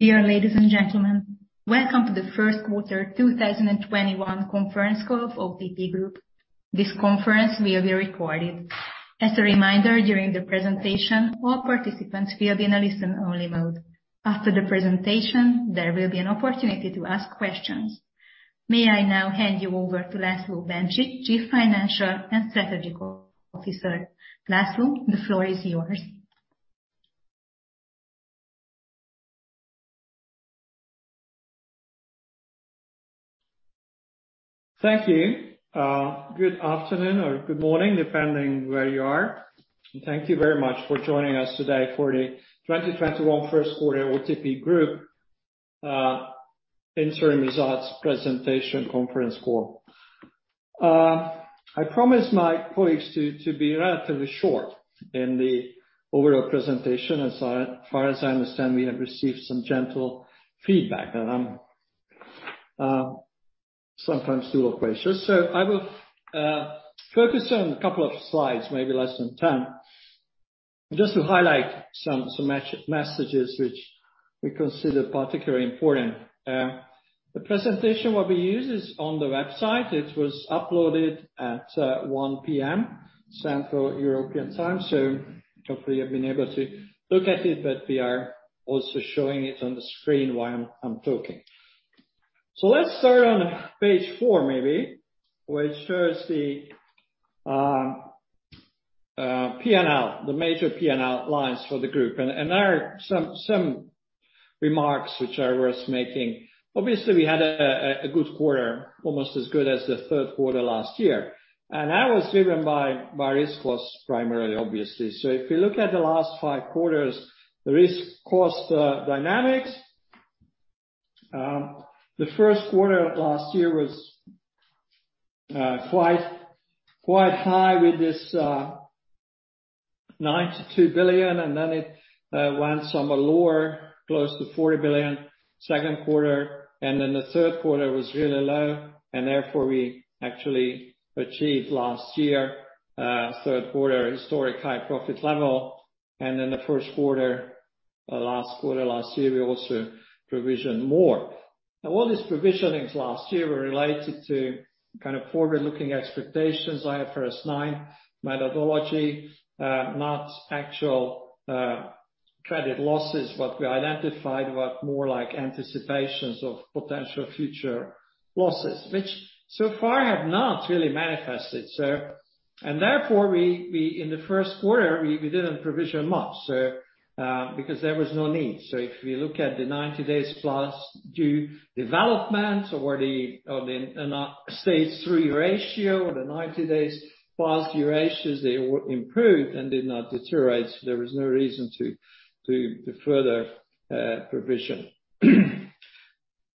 Dear ladies and gentlemen, welcome to the first quarter 2021 conference call of OTP Group. This conference will be recorded. As a reminder, during the presentation, all participants will be in a listen-only mode. After the presentation, there will be an opportunity to ask questions. May I now hand you over to László Bencsik, Chief Financial and Strategy Officer. László, the floor is yours. Thank you. Good afternoon or good morning, depending where you are. Thank you very much for joining us today for the 2021 first quarter OTP Group interim results presentation conference call. I promised my colleagues to be relatively short in the overall presentation. As far as I understand, we have received some gentle feedback that I'm sometimes too loquacious. I will focus on a couple of slides, maybe less than 10, just to highlight some messages which we consider particularly important. The presentation will be used is on the website. It was uploaded at 1:00 P.M. Central European Time, so hopefully you've been able to look at it, but we are also showing it on the screen while I'm talking. Let's start on page four, maybe, which shows the P&L, the major P&L lines for the group. There are some remarks which are worth making. Obviously, we had a good quarter, almost as good as the third quarter last year. That was driven by risk cost primarily, obviously. If you look at the last five quarters, the risk cost dynamics, the first quarter last year was quite high with this 92 billion, and then it went somewhere lower, close to 40 billion second quarter. Then the third quarter was really low, and therefore we actually achieved last year, third quarter, historic high profit level. Then the first quarter, last quarter, last year, we also provisioned more. Now all these provisionings last year were related to kind of forward-looking expectations, IFRS 9 methodology, not actual credit losses. What we identified were more like anticipations of potential future losses, which so far have not really manifested. Therefore, in the first quarter, we didn't provision much, because there was no need. If we look at the 90 days past due developments or the Stage 3 ratio or the 90 days past due ratios, they improved and did not deteriorate, so there was no reason to further provision.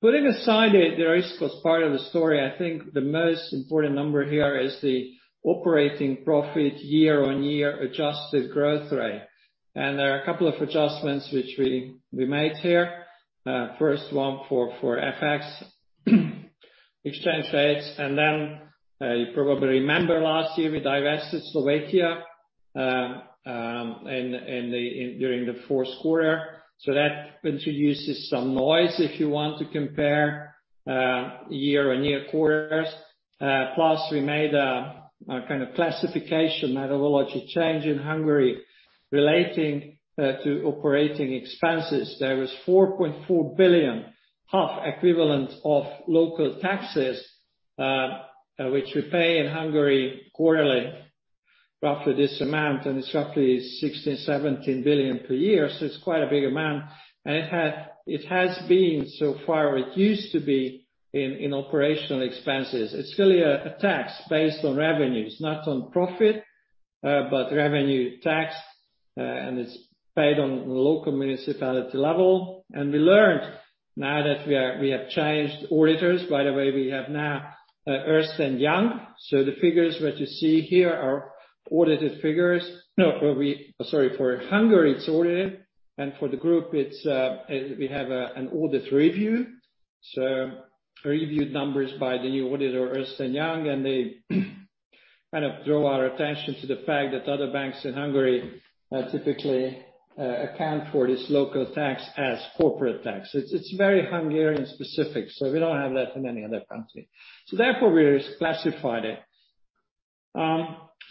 Putting aside the risk cost part of the story, I think the most important number here is the operating profit year-on-year adjusted growth rate. There are a couple of adjustments which we made here. First one for FX, exchange rates, and then you probably remember last year we divested Slovakia during the fourth quarter. We made a kind of classification methodology change in Hungary relating to operating expenses. There was 4.4 billion equivalent of local taxes, which we pay in Hungary quarterly, roughly this amount. It's roughly 16 billion-17 billion per year. It's quite a big amount. It has been so far, it used to be in operating expenses. It's really a tax based on revenues, not on profit, but revenue tax. It's paid on local municipality level. We learned now that we have changed auditors. By the way, we have now Ernst & Young. The figures what you see here are audited figures. No, sorry, for Hungary, it's audited. For the group, we have an audit review. Reviewed numbers by the new auditor, Ernst & Young. They kind of draw our attention to the fact that other banks in Hungary typically account for this local tax as corporate tax. It's very Hungarian specific, so we don't have that in any other country. Therefore, we classified it.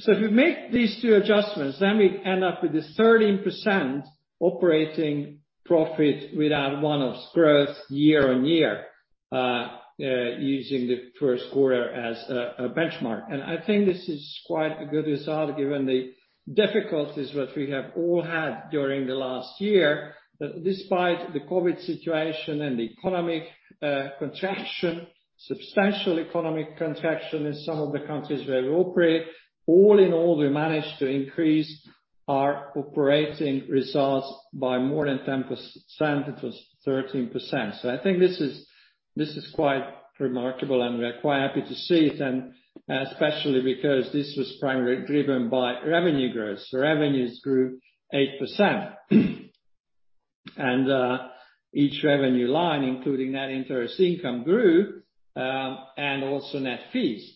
If you make these two adjustments, then we end up with this 13% operating profit without one-offs growth year-on-year, using the first quarter as a benchmark. I think this is quite a good result given the difficulties what we have all had during the last year. That despite the COVID situation and the economic contraction, substantial economic contraction in some of the countries where we operate, all in all, we managed to increase our operating results by more than 10%. It was 13%. I think this is quite remarkable, and we are quite happy to see it, and especially because this was primarily driven by revenue growth. Revenues grew 8%. Each revenue line, including net interest income grew, and also net fees.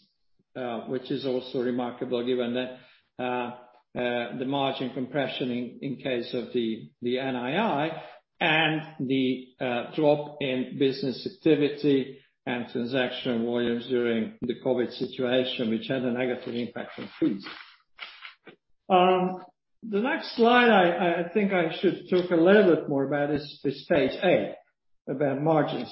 Which is also remarkable given that the margin compression in case of the NII and the drop in business activity and transaction volumes during the COVID situation, which had a negative impact on fees. The next slide, I think I should talk a little bit more about is this page A, about margins.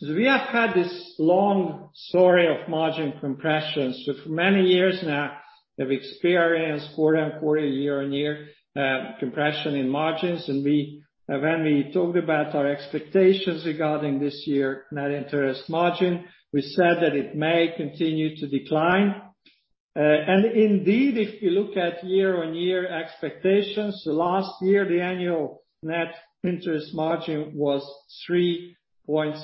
We have had this long story of margin compression. For many years now, we have experienced quarter-on-quarter, year-on-year compression in margins. When we talked about our expectations regarding this year net interest margin, we said that it may continue to decline. Indeed, if you look at year-over-year expectations, last year, the annual net interest margin was 3.61%,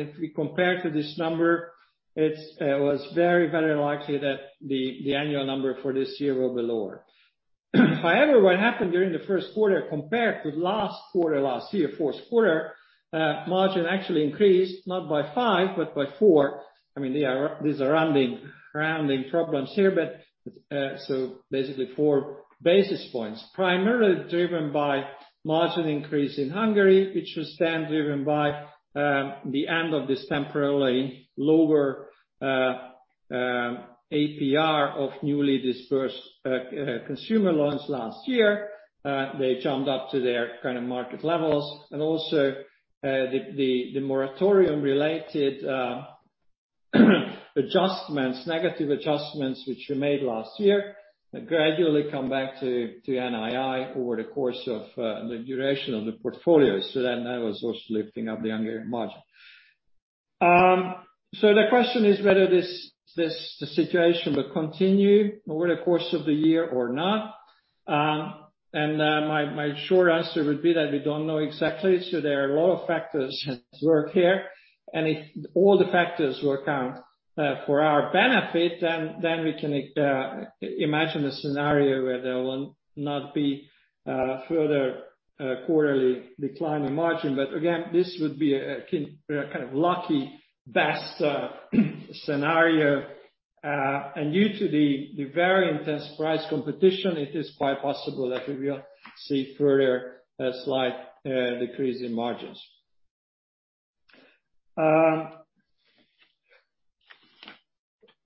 if we compare to this number, it was very likely that the annual number for this year will be lower. However, what happened during the first quarter compared with last quarter last year, fourth quarter, margin actually increased, not by five, but by four. These are rounding problems here, basically four basis points, primarily driven by margin increase in Hungary, which was then driven by the end of this temporarily lower APR of newly disbursed consumer loans last year. They jumped up to their market levels and also the moratorium-related negative adjustments, which were made last year, gradually come back to NII over the course of the duration of the portfolio. That was also lifting up the Hungarian margin. The question is whether this situation will continue over the course of the year or not. My short answer would be that we don't know exactly. There are a lot of factors at work here, and if all the factors work out for our benefit, then we can imagine a scenario where there will not be further quarterly decline in margin. Again, this would be a kind of lucky best scenario. Due to the very intense price competition, it is quite possible that we will see further slight decrease in margins.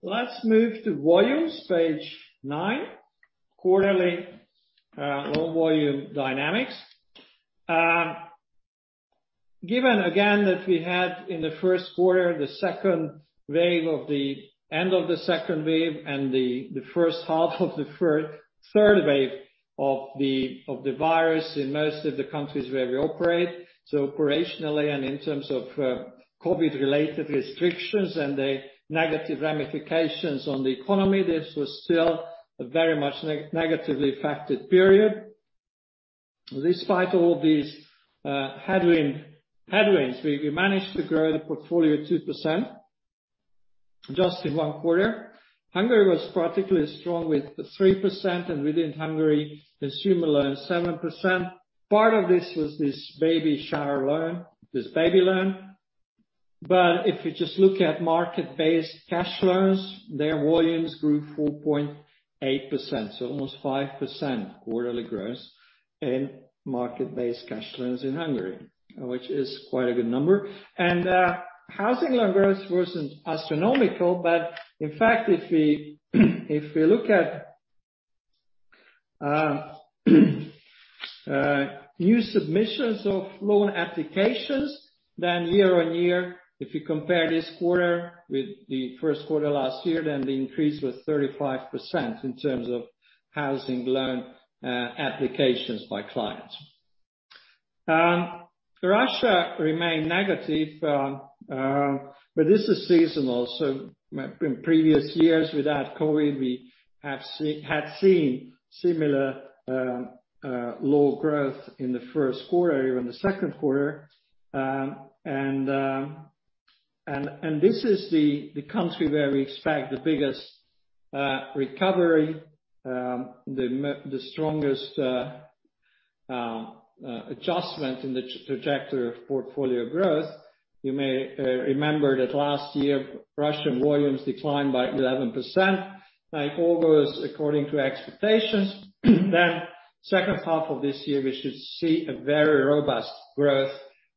Let's move to volumes, page nine. Quarterly loan volume dynamics. Given again, that we had in the first quarter, the end of the second wave and the first half of the third wave of the virus in most of the countries where we operate. Operationally, and in terms of COVID-related restrictions and the negative ramifications on the economy, this was still a very much negatively affected period. Despite all these headwinds, we managed to grow the portfolio 2% just in one quarter. Hungary was particularly strong with 3%, and within Hungary, consumer loans 7%. Part of this was this Subsidized baby loan, this Subsidized baby loan. If you just look at market-based cash loans, their volumes grew 4.8%, so almost 5% quarterly growth in market-based cash loans in Hungary, which is quite a good number. Housing loan growth wasn't astronomical, but in fact, if we look at new submissions of loan applications, then year-over-year, if you compare this quarter with the first quarter of last year, then the increase was 35% in terms of housing loan applications by clients. Russia remained negative, but this is seasonal. In previous years without COVID, we had seen similar low growth in the first quarter or in the second quarter. This is the country where we expect the biggest recovery, the strongest adjustment in the trajectory of portfolio growth. You may remember that last year, Russian volumes declined by 11%. If all goes according to expectations, then second half of this year, we should see a very robust growth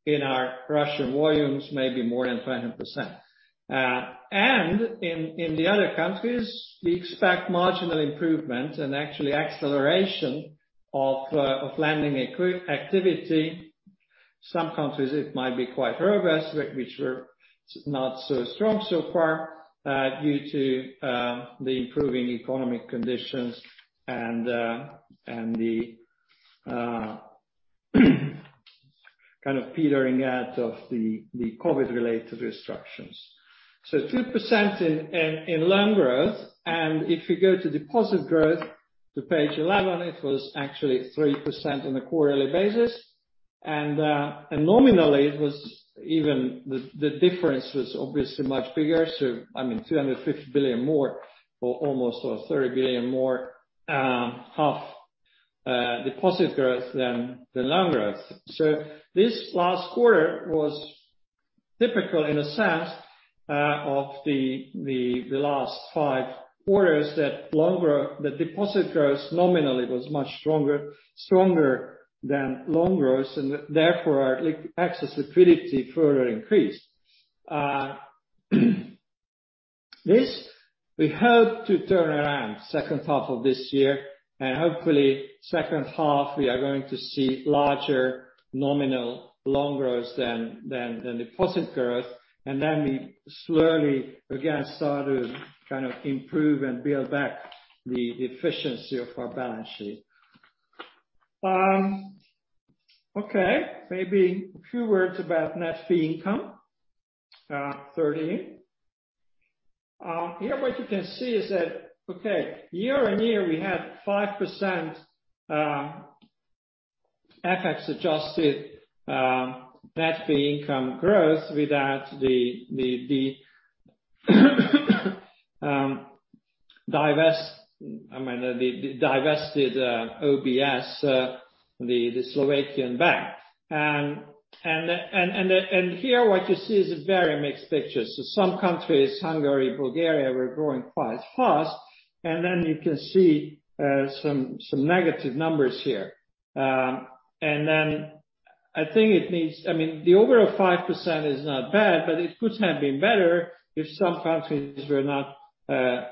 in our Russian volumes, maybe more than 200%. In the other countries, we expect marginal improvement and actually acceleration of lending activity. Some countries it might be quite robust, which were not so strong so far due to the improving economic conditions and the kind of petering out of the COVID-related restrictions. 2% in loan growth. If we go to deposit growth to page 11, it was actually 3% on a quarterly basis. Nominally, the difference was obviously much bigger. 250 billion more or almost 30 billion more HUF deposit growth than the loan growth. This last quarter was typical in a sense of the last five quarters, that deposit growth nominally was much stronger than loan growth, and therefore our excess liquidity further increased. This we hope to turn around second half of this year, and hopefully second half we are going to see larger nominal loan growth than deposit growth, and then we slowly again start to kind of improve and build back the efficiency of our balance sheet. Okay, maybe a few words about net fee income, 13. Here what you can see is that, year-on-year, we had 5% FX-adjusted net fee income growth without the divested OBS, the Slovakian bank. Here what you see is a very mixed picture. Some countries, Hungary, Bulgaria, were growing quite fast. Then you can see some negative numbers here. Then I think the overall 5% is not bad. It could have been better if some countries were not kind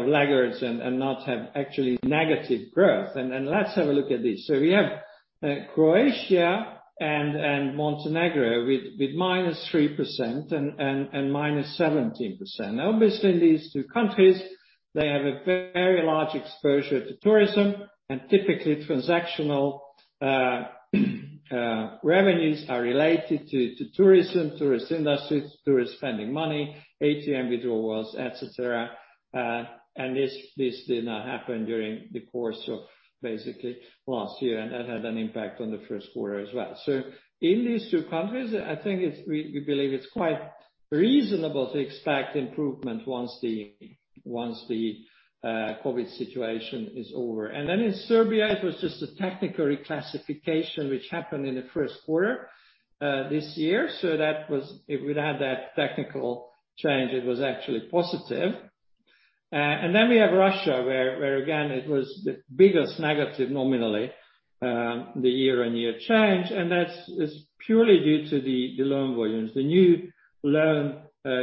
of laggards and not have actually negative growth. Let's have a look at this. We have Croatia and Montenegro with -3% and -17%. Obviously, these two countries, they have a very large exposure to tourism, and typically transactional revenues are related to tourism, tourist industry, tourists spending money, ATM withdrawals, et cetera. This did not happen during the course of basically last year, and that had an impact on the first quarter as well. In these two countries, I think we believe it's quite reasonable to expect improvement once the COVID situation is over. In Serbia, it was just a technical reclassification, which happened in the first quarter this year. If we'd had that technical change, it was actually positive. We have Russia, where again, it was the biggest negative nominally, the year-on-year change, and that is purely due to the loan volumes. The new loan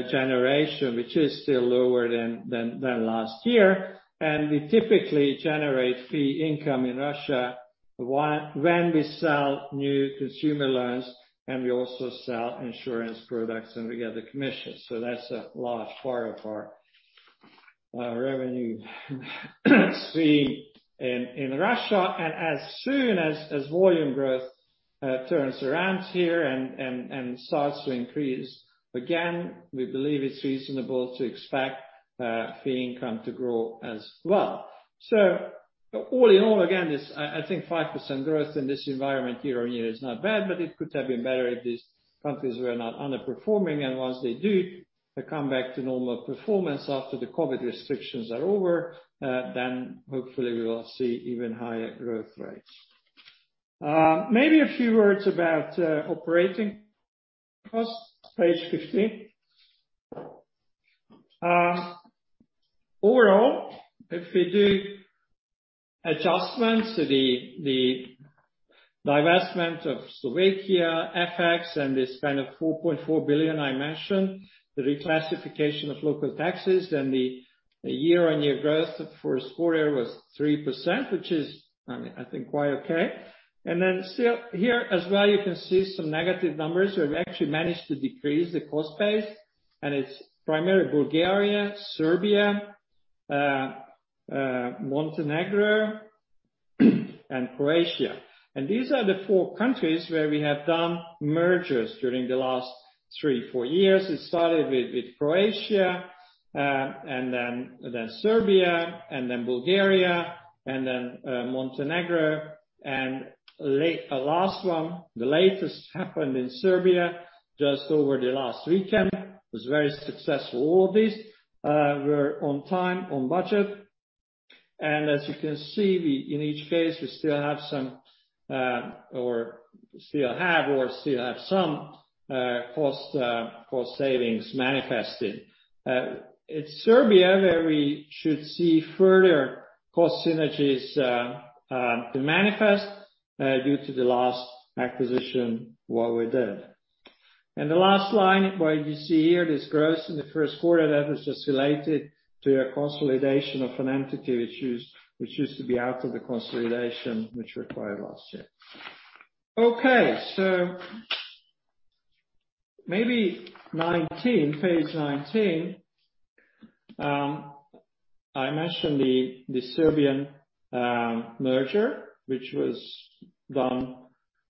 generation, which is still lower than last year, and we typically generate fee income in Russia when we sell new consumer loans and we also sell insurance products and we get the commission. That's a large part of our revenue stream in Russia. As soon as volume growth turns around here and starts to increase again, we believe it's reasonable to expect fee income to grow as well. All in all, again, I think 5% growth in this environment year-on-year is not bad, but it could have been better if these countries were not underperforming. Once they do come back to normal performance after the COVID restrictions are over, hopefully we will see even higher growth rates. Maybe a few words about operating costs, page 15. Overall, if we do adjustments to the divestment of OTP Banka Slovensko, FX, and the spend of 4.4 billion I mentioned, the reclassification of local taxes, the year-on-year growth for this quarter was 3%, which is, I think quite okay. Still here as well, you can see some negative numbers. We've actually managed to decrease the cost base, and it's primarily Bulgaria, Serbia, Montenegro and Croatia. These are the four countries where we have done mergers during the last three, four years. It started with Croatia, then Serbia, then Bulgaria, then Montenegro. The last one, the latest happened in Serbia just over the last weekend, was very successful. All of these were on time, on budget. As you can see, in each case, we still have some cost savings manifested. It's Serbia where we should see further cost synergies to manifest due to the last acquisition, what we did. The last line, what you see here, this growth in the first quarter, that was just related to a consolidation of an entity which used to be out of the consolidation, which required last year. Maybe page 19. I mentioned the Serbian merger, which was done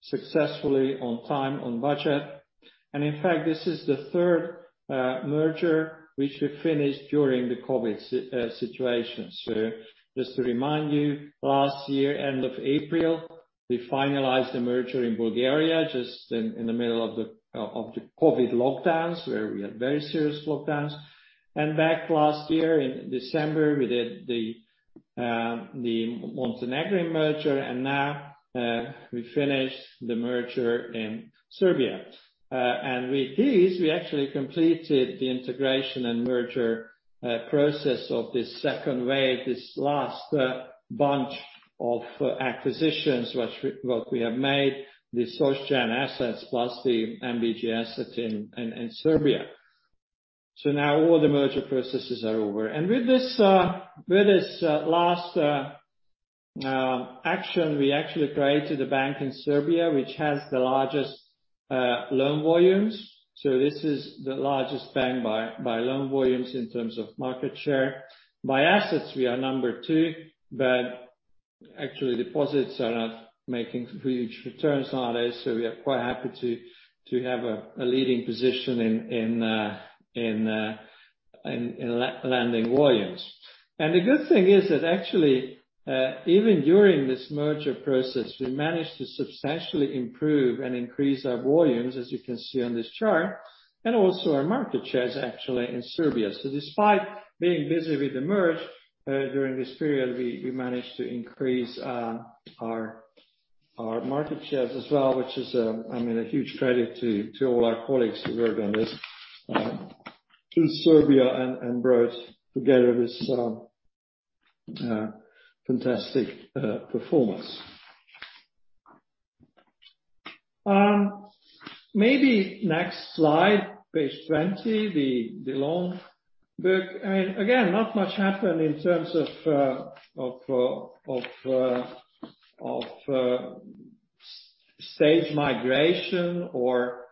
successfully on time, on budget. In fact, this is the third merger which we finished during the COVID situation. Just to remind you, last year, end of April, we finalized the merger in Bulgaria, just in the middle of the COVID lockdowns, where we had very serious lockdowns. Back last year in December, we did the Montenegrin merger, and now we finished the merger in Serbia. With these, we actually completed the integration and merger process of this second wave, this last bunch of acquisitions, what we have made. The SocGen assets plus the NBG asset in Serbia. Now all the merger processes are over. With this last action, we actually created a bank in Serbia which has the largest loan volumes. This is the largest bank by loan volumes in terms of market share. By assets, we are number two, actually deposits are not making huge returns nowadays, so we are quite happy to have a leading position in lending volumes. The good thing is that actually, even during this merger process, we managed to substantially improve and increase our volumes, as you can see on this chart, and also our market shares actually in Serbia. Despite being busy with the merge during this period, we managed to increase our market shares as well, which is a huge credit to all our colleagues who worked on this to Serbia and brought together this fantastic performance. Maybe next slide, page 20, the long book. Not much happened in terms of Stage migration or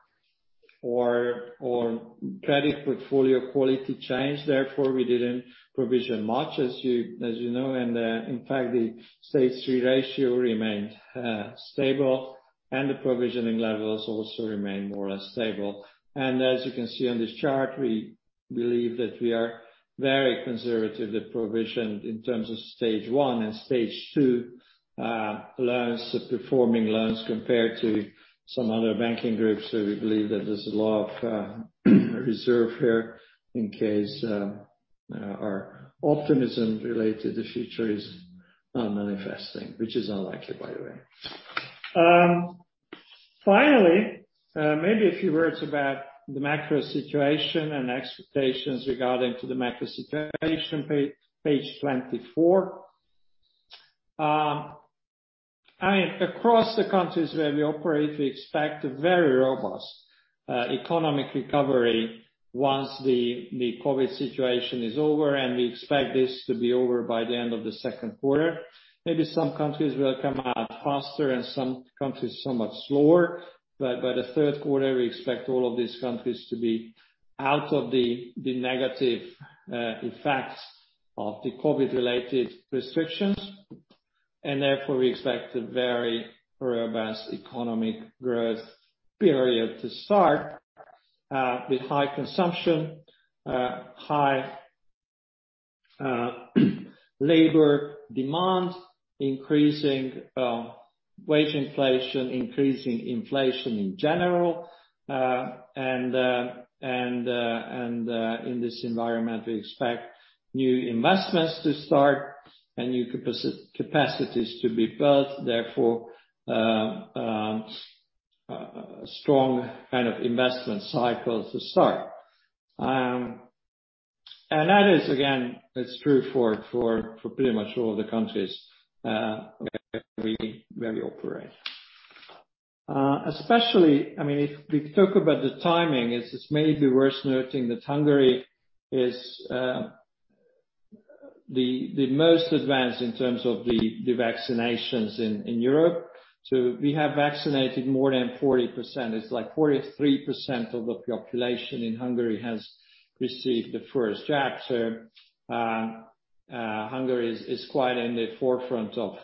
credit portfolio quality change. Therefore we didn't provision much as you know. In fact, the Stage 3 ratio remained stable, and the provisioning levels also remained more or less stable. As you can see on this chart, we believe that we are very conservative with provision in terms of Stage 1 and Stage 2 loans, the performing loans compared to some other banking groups. We believe that there's a lot of reserve here in case our optimism related to future is not manifesting, which is unlikely, by the way. Finally, maybe a few words about the macro situation and expectations regarding to the macro situation, page 24. Across the countries where we operate, we expect a very robust economic recovery once the COVID situation is over, and we expect this to be over by the end of the second quarter. Maybe some countries will come out faster and some countries somewhat slower. By the third quarter, we expect all of these countries to be out of the negative effects of the COVID-related restrictions, and therefore we expect a very robust economic growth period to start with high consumption, high labor demand, increasing wage inflation, increasing inflation in general. In this environment, we expect new investments to start and new capacities to be built. Therefore, strong kind of investment cycles to start. That is, again, it's true for pretty much all the countries where we operate. Especially, if we talk about the timing, it's maybe worth noting that Hungary is the most advanced in terms of the vaccinations in Europe. We have vaccinated more than 40%. It's like 43% of the population in Hungary has received the first jab. Hungary is quite in the forefront of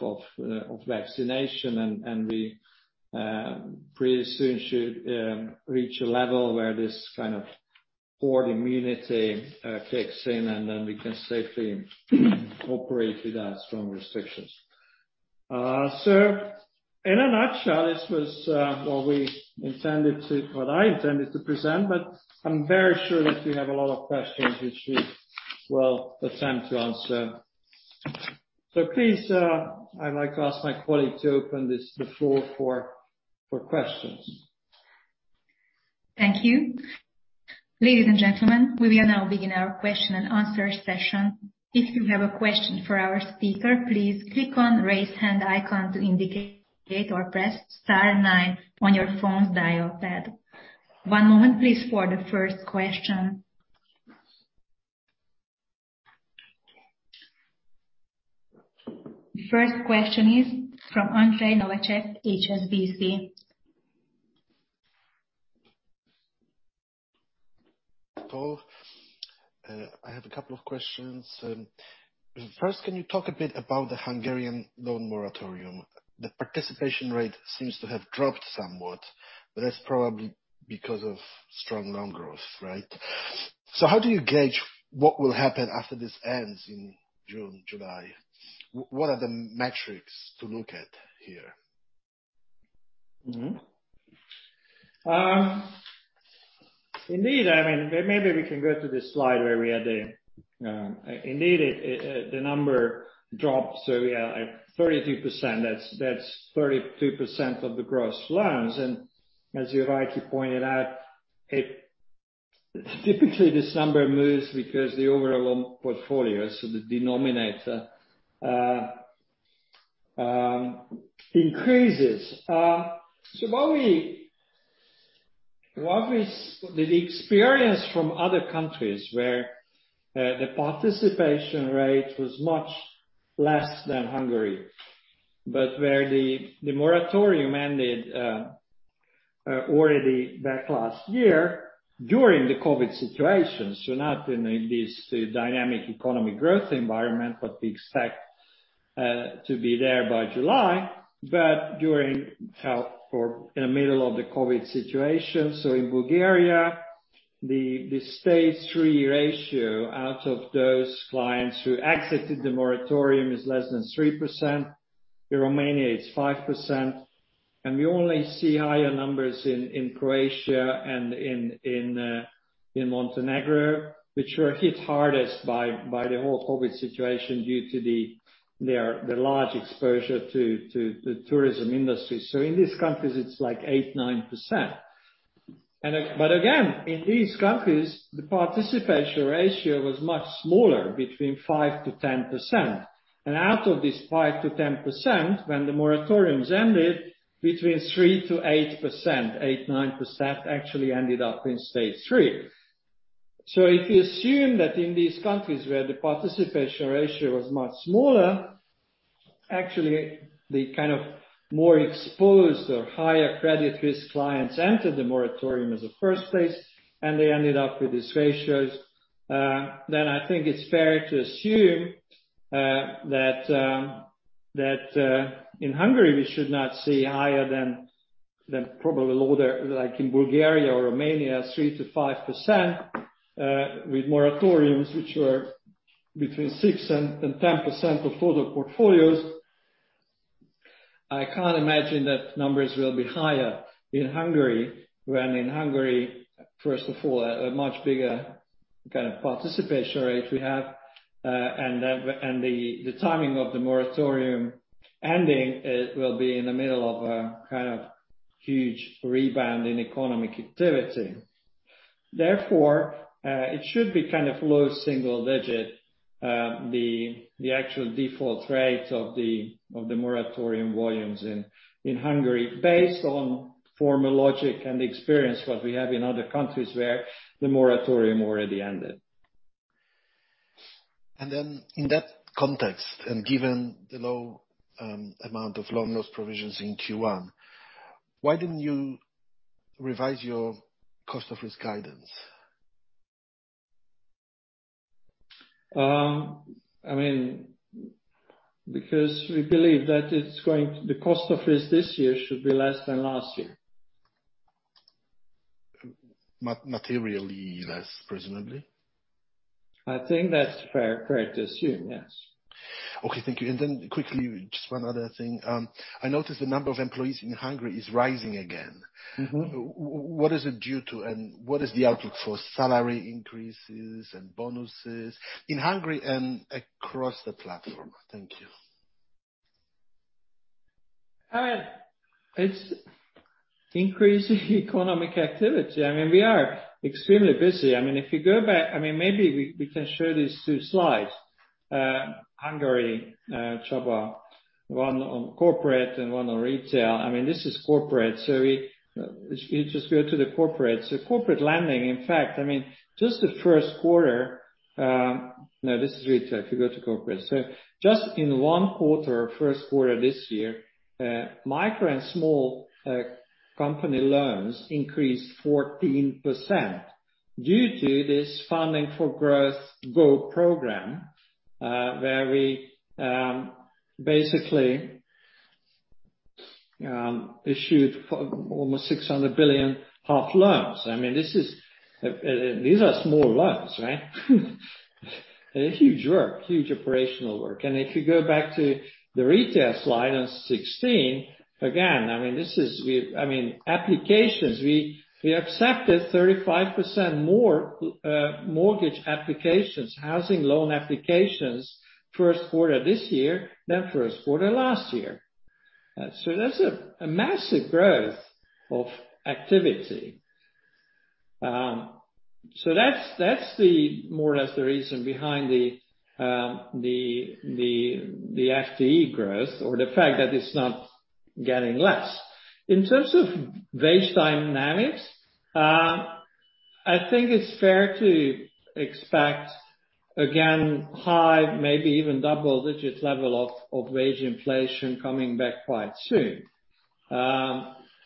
vaccination and we pretty soon should reach a level where this kind of herd immunity kicks in, and then we can safely operate without strong restrictions. In a nutshell, this was what I intended to present, but I'm very sure that you have a lot of questions which we will attempt to answer. Please, I'd like to ask my colleague to open the floor for questions. Thank you. Ladies and gentlemen, we will now begin our question and answer session. If you have a question for our speaker, please click on Raise Hand icon to indicate or press star nine on your phone's dial pad. The first question is from Andrzej Nowaczek, HSBC. Hello. I have a couple of questions. First, can you talk a bit about the Hungarian loan moratorium? The participation rate seems to have dropped somewhat, but that's probably because of strong loan growth, right? How do you gauge what will happen after this ends in June, July? What are the metrics to look at here? Indeed, maybe we can go to the slide where we had indeed, the number dropped, 32%, that's 32% of the gross loans. As you rightly pointed out, typically this number moves because the overall portfolio, so the denominator increases. What the experience from other countries where the participation rate was much less than Hungary, but where the moratorium ended already back last year during the COVID situation, so not in this dynamic economic growth environment that we expect to be there by July, but in the middle of the COVID situation. In Bulgaria, the Stage 3 ratio out of those clients who exited the moratorium is less than 3%. In Romania, it's 5%. We only see higher numbers in Croatia and in Montenegro, which were hit hardest by the whole COVID situation due to the large exposure to the tourism industry. In these countries, it's like 8%, 9%. Again, in these countries, the participation ratio was much smaller, between 5%-10%. Out of this 5%-10%, when the moratoriums ended, between 3%-8%, 8%, 9% actually ended up in Stage 3. If you assume that in these countries where the participation ratio was much smaller, actually the kind of more exposed or higher credit risk clients entered the moratorium as a first place, and they ended up with these ratios, then I think it's fair to assume that in Hungary we should not see higher than probably lower, like in Bulgaria or Romania, 3%-5%, with moratoriums which were between 6% and 10% of total portfolios. I can't imagine that numbers will be higher in Hungary when in Hungary, first of all, a much bigger kind of participation rate we have. The timing of the moratorium ending will be in the middle of a kind of huge rebound in economic activity. Therefore it should be kind of low single digit, the actual default rate of the moratorium volumes in Hungary, based on former logic and experience that we have in other countries where the moratorium already ended. In that context, and given the low amount of loan loss provisions in Q1, why didn't you revise your cost of risk guidance? Because we believe that the cost of risk this year should be less than last year. Materially less, presumably? I think that's fair to assume, yes. Okay. Thank you. Quickly, just one other thing, I noticed the number of employees in Hungary is rising again. What is it due to, and what is the outlook for salary increases and bonuses in Hungary and across the platform? Thank you. It's increasing economic activity. We are extremely busy. If you go back-- maybe we can show these two slides. Hungary, Csaba, one on corporate and one on retail. This is corporate. If you just go to the corporate. Corporate lending, in fact, just the first quarter-- no, this is retail. If you go to corporate. Just in one quarter, first quarter this year, micro and small company loans increased 14% due to this Funding for Growth Go! program where we basically issued almost 600 billion loans. These are small loans, right? A huge work, huge operational work. If you go back to the retail slide on 16, again, applications, we accepted 35% more mortgage applications, housing loan applications first quarter this year than first quarter last year. That's a massive growth of activity. That's more or less the reason behind the FTE growth or the fact that it's not getting less. In terms of wage dynamics, I think it's fair to expect, again, high, maybe even double-digit level of wage inflation coming back quite soon.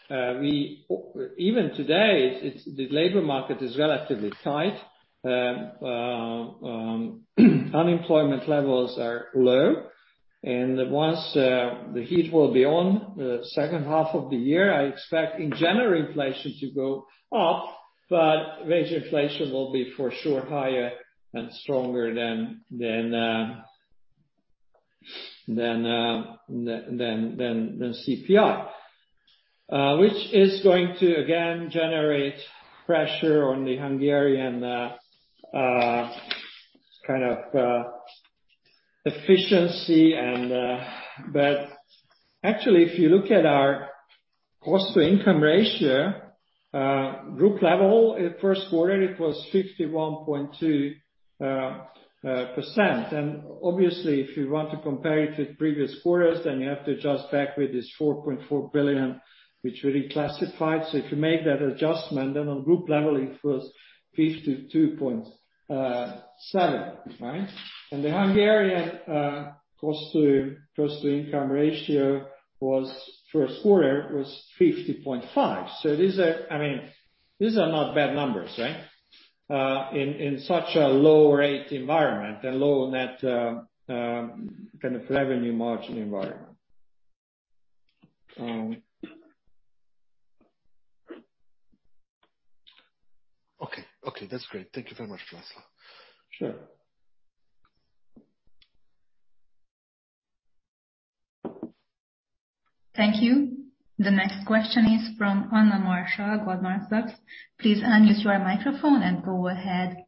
Even today, the labor market is relatively tight. Unemployment levels are low. Once the heat will be on the second half of the year, I expect in general inflation to go up, but wage inflation will be for sure higher and stronger than CPI. Which is going to, again, generate pressure on the Hungarian efficiency. Actually, if you look at our cost-to-income ratio, group level first quarter, it was 51.2%. Obviously, if you want to compare it to previous quarters, then you have to adjust back with this 4.4 billion, which we reclassified. If you make that adjustment, on group level, it was 52.7%. Right. The Hungarian cost-to-income ratio first quarter was 50.5%. These are not bad numbers, right. In such a low rate environment and low net interest margin environment. Okay. That's great. Thank you very much, László. Sure. Thank you. The next question is from Anna Marshall at Goldman Sachs. Please unmute your microphone and go ahead.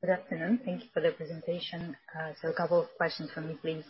Good afternoon. Thank you for the presentation. A couple of questions from me, please.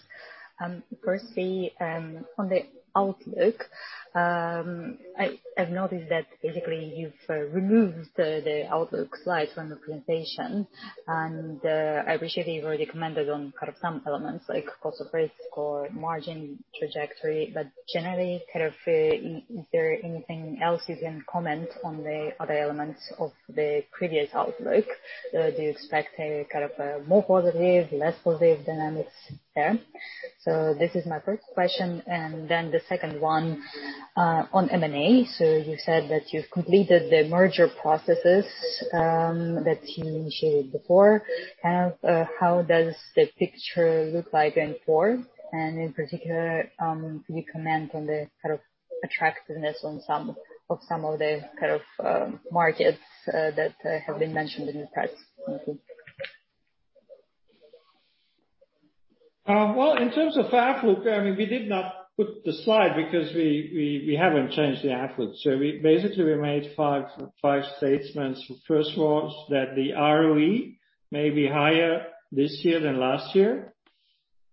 Firstly, on the outlook, I've noticed that basically you've removed the outlook slide from the presentation, and I appreciate you've already commented on some elements like cost of risk or margin trajectory, but generally, is there anything else you can comment on the other elements of the previous outlook? Do you expect a more positive, less positive dynamics there? This is my first question, then the second one on M&A. You said that you've completed the merger processes that you initiated before. How does the picture look like going forward? In particular, can you comment on the attractiveness of some of the markets that have been mentioned in the past? Thank you. Well, in terms of outlook, we did not put the slide because we haven't changed the outlook. Basically, we made five statements. First was that the ROE may be higher this year than last year.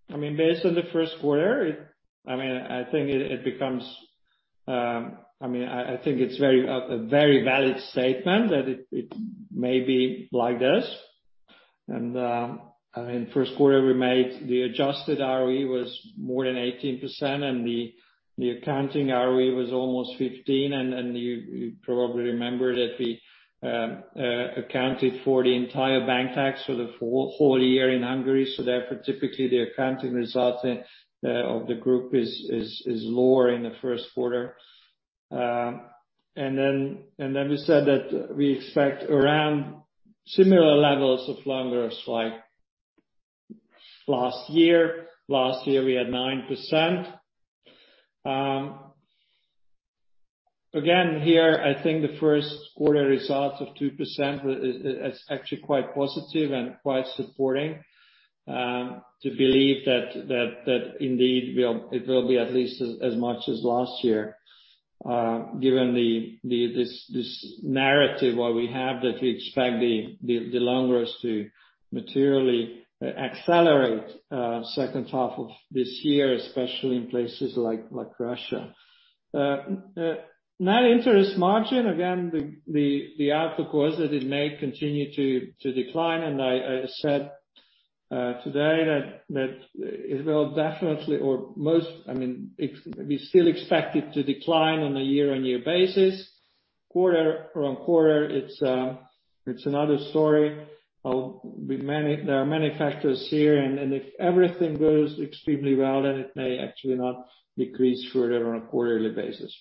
Based on the first quarter, I think it's a very valid statement that it may be like this. In first quarter, we made the adjusted ROE was more than 18%, and the accounting ROE was almost 15%. You probably remember that we accounted for the entire bank tax for the whole year in Hungary. Therefore, typically, the accounting result of the group is lower in the first quarter. Then we said that we expect around similar levels of loan growth like last year. Last year we had 9%. Here, I think the first quarter results of 2% is actually quite positive and quite supporting to believe that indeed it will be at least as much as last year, given this narrative what we have, that we expect the loan growth to materially accelerate second half of this year, especially in places like Russia. net interest margin, again, the outlook was that it may continue to decline, and I said today that we still expect it to decline on a year-on-year basis. Quarter-on-quarter, it's another story. There are many factors here, and if everything goes extremely well, then it may actually not decrease further on a quarterly basis.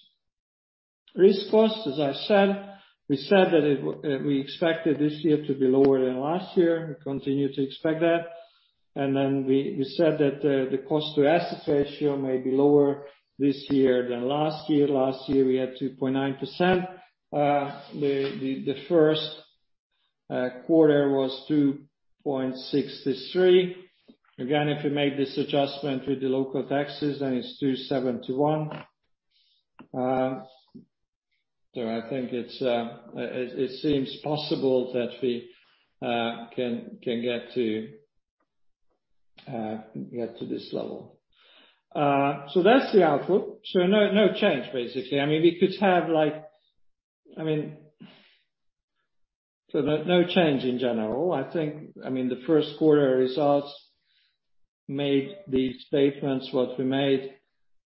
risk cost, as I said, we said that we expected this year to be lower than last year. We continue to expect that. We said that the cost to assets ratio may be lower this year than last year. Last year we had 2.9%. The first quarter was 2.63%. Again, if we make this adjustment with the local taxes, then it's 2.71%. I think it seems possible that we can get to this level. That's the outlook. No change, basically. No change in general. I think the first quarter results made these statements what we made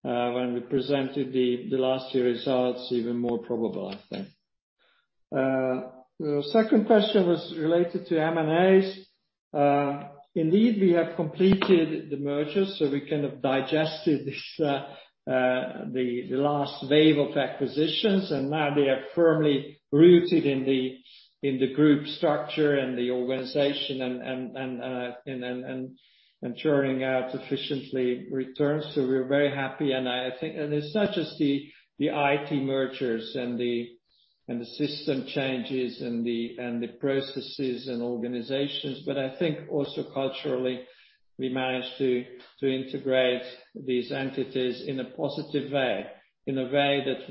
when we presented the last year results even more probable, I think. The second question was related to M&As. Indeed, we have completed the merger, so we kind of digested the last wave of acquisitions, and now they are firmly rooted in the group structure and the organization and churning out efficiently returns. We are very happy. It's not just the IT mergers and the system changes and the processes and organizations, but I think also culturally, we managed to integrate these entities in a positive way. In a way that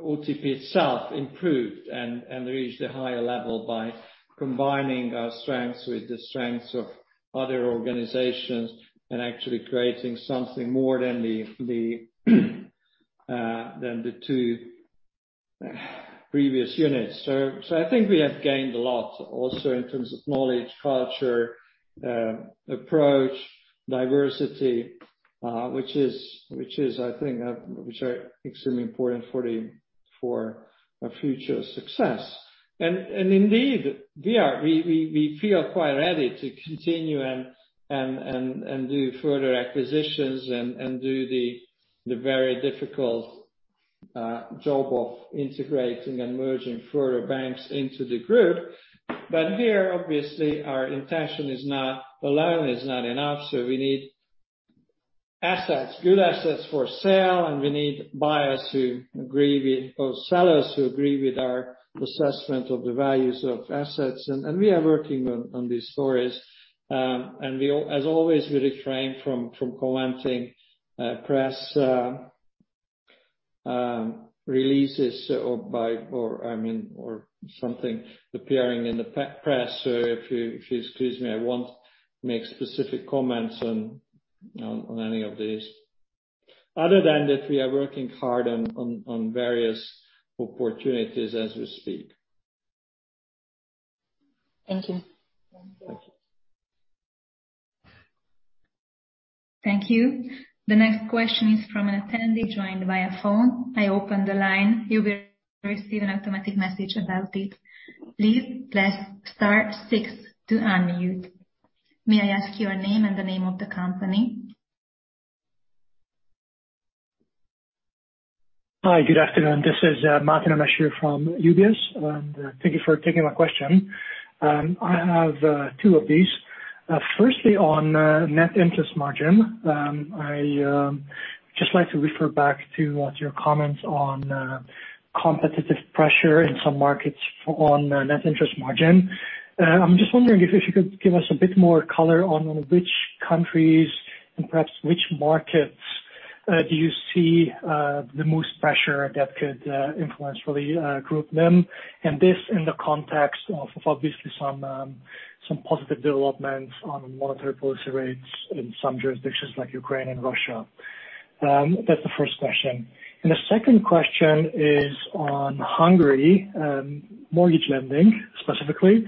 OTP itself improved and reached a higher level by combining our strengths with the strengths of other organizations and actually creating something more than the two previous units. I think we have gained a lot also in terms of knowledge, culture, approach, diversity, which are extremely important for our future success. Indeed, we feel quite ready to continue and do further acquisitions and do the very difficult job of integrating and merging further banks into the group. Here, obviously, our intention alone is not enough. We need assets, good assets for sale, and we need buyers who agree with, or sellers who agree with our assessment of the values of assets. We are working on these stories. As always, we refrain from commenting press releases or something appearing in the press. If you excuse me, I won't make specific comments on any of these other than that we are working hard on various opportunities as we speak. Thank you. Thank you. Thank you. The next question is from an attendee joined via phone. I open the line. May I ask your name and the name of the company? Hi, good afternoon. This is Máté Nemes from UBS. Thank you for taking my question. I have two of these. Firstly, on net interest margin. I just like to refer back to what your comments on competitive pressure in some markets on net interest margin. I am just wondering if you could give us a bit more color on which countries and perhaps which markets do you see the most pressure that could influence for the group NIM. This in the context of obviously some positive developments on monetary policy rates in some jurisdictions like Ukraine and Russia. That's the first question. The second question is on Hungary mortgage lending, specifically.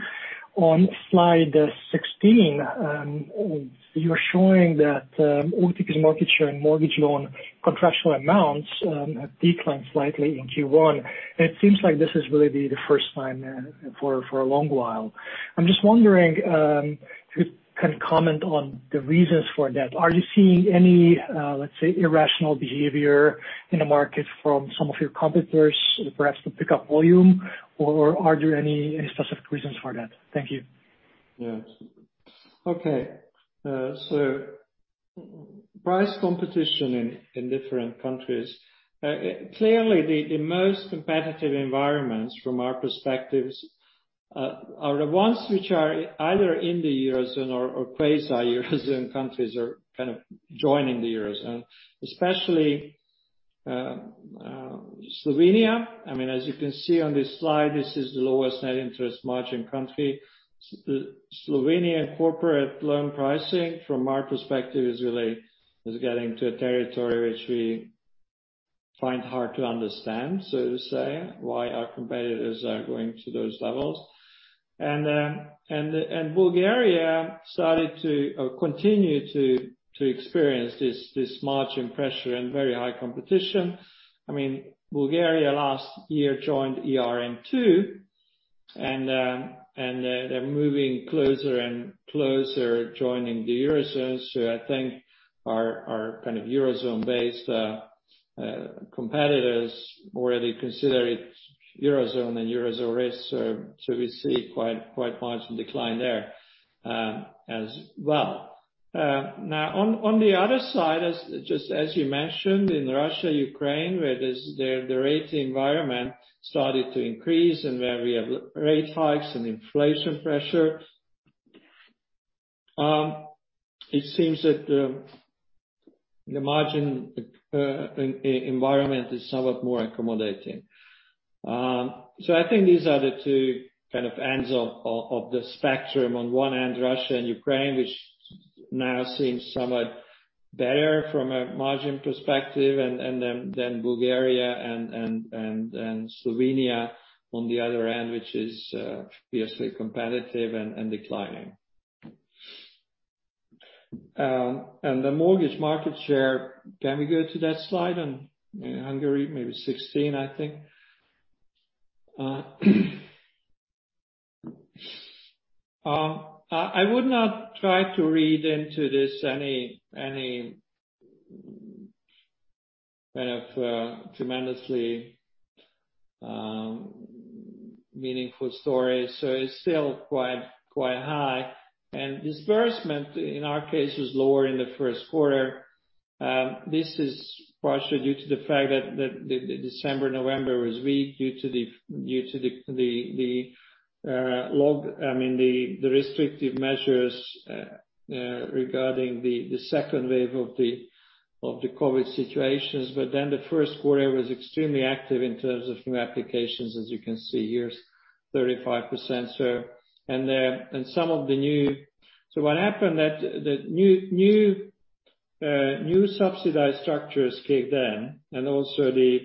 On slide 16, you're showing that OTP's market share and mortgage loan contractual amounts have declined slightly in Q1. It seems like this is really the first time for a long while. I'm just wondering if you can comment on the reasons for that. Are you seeing any, let's say, irrational behavior in the market from some of your competitors perhaps to pick up volume, or are there any specific reasons for that? Thank you. Yes. Okay. Price competition in different countries. Clearly, the most competitive environments from our perspectives are the ones which are either in the Eurozone or quasi Eurozone countries are kind of joining the Eurozone, especially Slovenia. As you can see on this slide, this is the lowest net interest margin country. Slovenian corporate loan pricing from our perspective is getting to a territory which we find hard to understand. To say, why our competitors are going to those levels. Bulgaria started to continue to experience this margin pressure and very high competition. Bulgaria last year joined ERM II and they're moving closer and closer joining the Eurozone. I think our kind of Eurozone-based competitors already consider it Eurozone and Eurozone risks. We see quite much decline there as well. On the other side, just as you mentioned, in Russia, Ukraine, where the rate environment started to increase and where we have rate hikes and inflation pressure. It seems that the margin environment is somewhat more accommodating. I think these are the two kind of ends of the spectrum. On one end, Russia and Ukraine, which now seems somewhat better from a margin perspective, and Bulgaria and Slovenia on the other end, which is fiercely competitive and declining. The mortgage market share, can we go to that slide on Hungary? Maybe 16, I think. I would not try to read into this any kind of tremendously meaningful story. It's still quite high. Disbursement, in our case, was lower in the first quarter. This is partially due to the fact that December, November was weak due to the restrictive measures regarding the second wave of the COVID situations. The first quarter was extremely active in terms of new applications, as you can see here is 35%. What happened that new subsidized structures kicked in and also the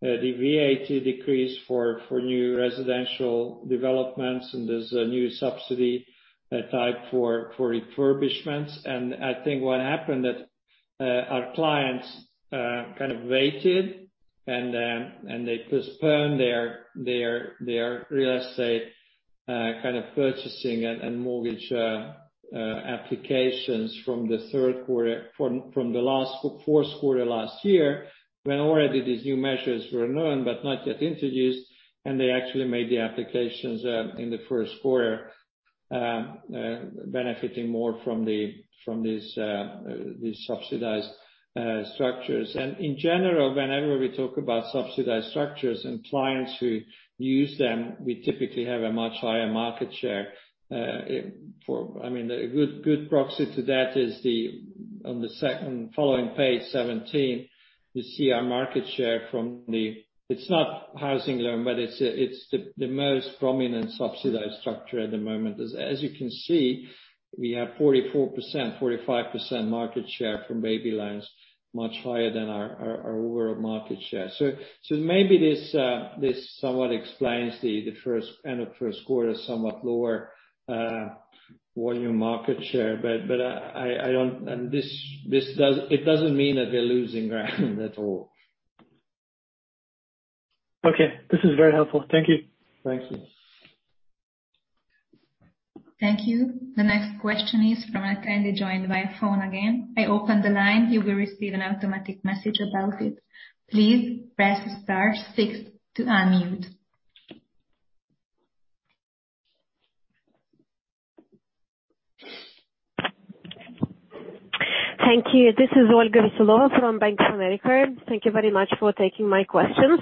VAT decrease for new residential developments, and there is a new subsidy type for refurbishments. I think what happened that our clients kind of waited, and they postponed their real estate kind of purchasing and mortgage applications from the fourth quarter last year, when already these new measures were known but not yet introduced, and they actually made the applications in the first quarter, benefiting more from these subsidized structures. In general, whenever we talk about subsidized structures and clients who use them, we typically have a much higher market share. A good proxy to that is on the second following page 17, you see our market share from the It's not housing loan, but it's the most prominent subsidized structure at the moment. As you can see, we have 44%, 45% market share from Baby loans, much higher than our overall market share. Maybe this somewhat explains the first quarter, somewhat lower volume market share, but it doesn't mean that we are losing ground at all. Okay. This is very helpful. Thank you. Thank you. Thank you. The next question is from our kindly joined via phone again. I open the line, you will receive an automatic message about it. Thank you. This is Olga Veselova from Bank of America. Thank you very much for taking my questions.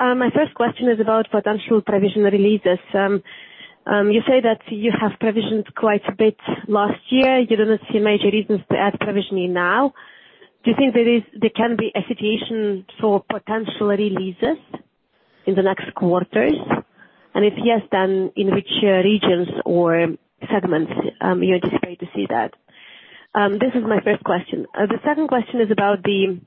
My first question is about potential provision releases. You say that you have provisioned quite a bit last year, you do not see major reasons to add provisioning now. Do you think there can be agitation for potential releases in the next quarters? If yes, then in which regions or segments you anticipate to see that? This is my first question. The second question is about the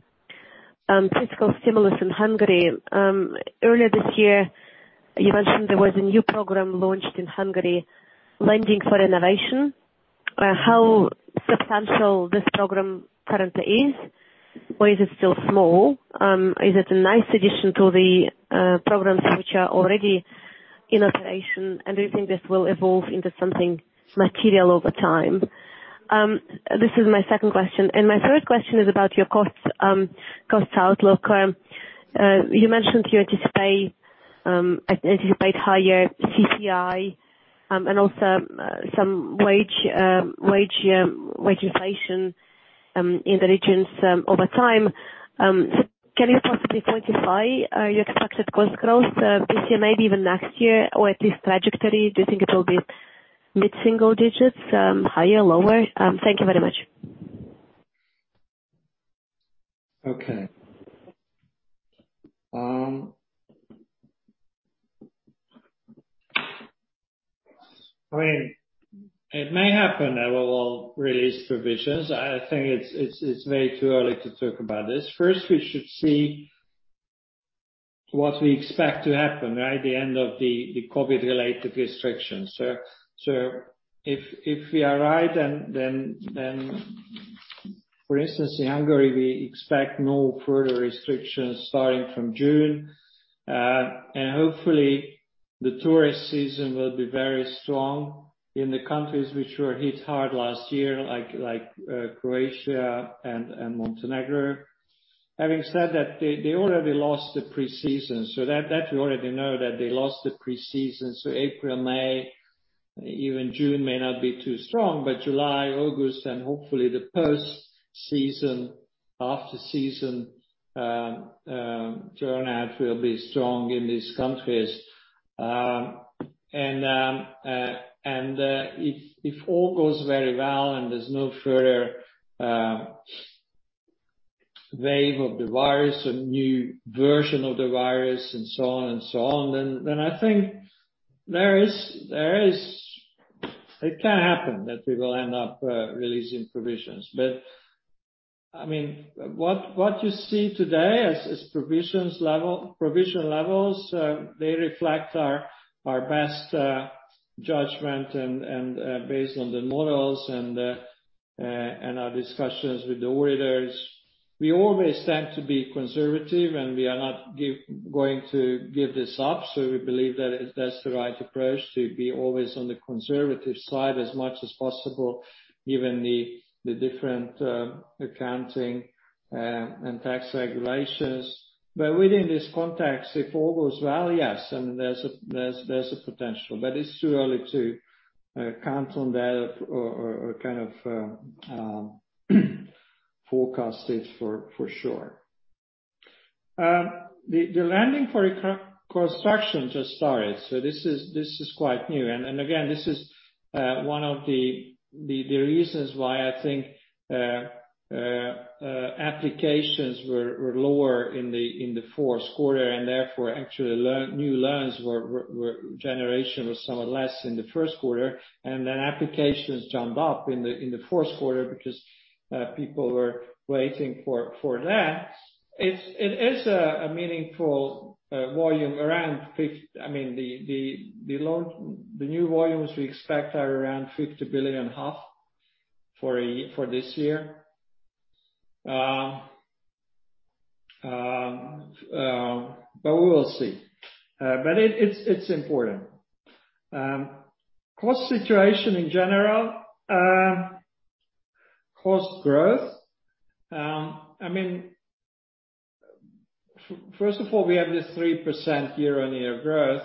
fiscal stimulus in Hungary. Earlier this year, you mentioned there was a new program launched in Hungary, Lending for Renovation How substantial this program currently is, or is it still small? Is it a nice addition to the programs which are already in operation, and do you think this will evolve into something material over time? This is my second question. My third question is about your cost outlook. You mentioned you anticipate higher CPI, and also some wage inflation in the regions over time. Can you possibly quantify your expected cost growth this year, maybe even next year, or at least trajectory? Do you think it will be mid-single digits, higher, lower? Thank you very much. Okay. It may happen that we will release provisions. I think it is very too early to talk about this. First, we should see what we expect to happen by the end of the COVID related restrictions. If we are right, then for instance, in Hungary, we expect no further restrictions starting from June. Hopefully the tourist season will be very strong in the countries which were hit hard last year, like Croatia and Montenegro. Having said that, they already lost the pre-season. That we already know that they lost the pre-season, so April, May, even June may not be too strong, but July, August, and hopefully the post season, after season turnout will be strong in these countries. If all goes very well and there's no further wave of the virus, a new version of the virus and so on and so on, then I think it can happen that we will end up releasing provisions. What you see today as provision levels, they reflect our best judgment and based on the models and our discussions with the auditors. We always tend to be conservative, and we are not going to give this up, so we believe that that's the right approach to be always on the conservative side as much as possible, given the different accounting and tax regulations. Within this context, if all goes well, yes, then there's a potential, but it's too early to count on that or kind of forecast it for sure. The Lending for construction just started, so this is quite new. Again, this is one of the reasons why I think applications were lower in the fourth quarter, and therefore actually new loans generation was somewhat less in the first quarter. Applications jumped up in the fourth quarter because people were waiting for that. It is a meaningful volume. The new volumes we expect are around HUF 50 billion for this year. We will see. It's important. But cost situation in general, cost growth. First of all, we have this 3% year-on-year growth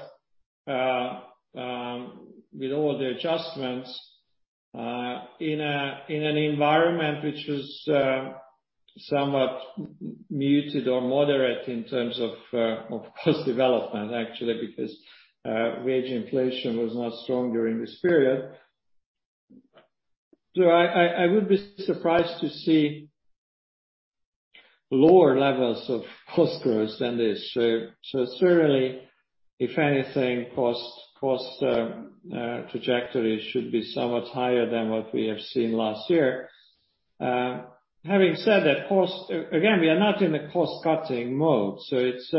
with all the adjustments, in an environment which was somewhat muted or moderate in terms of cost development actually, because wage inflation was not strong during this period. I would be surprised to see lower levels of cost growth than this. Surely, if anything, cost trajectory should be somewhat higher than what we have seen last year. Having said that, again, we are not in a cost-cutting mode. It's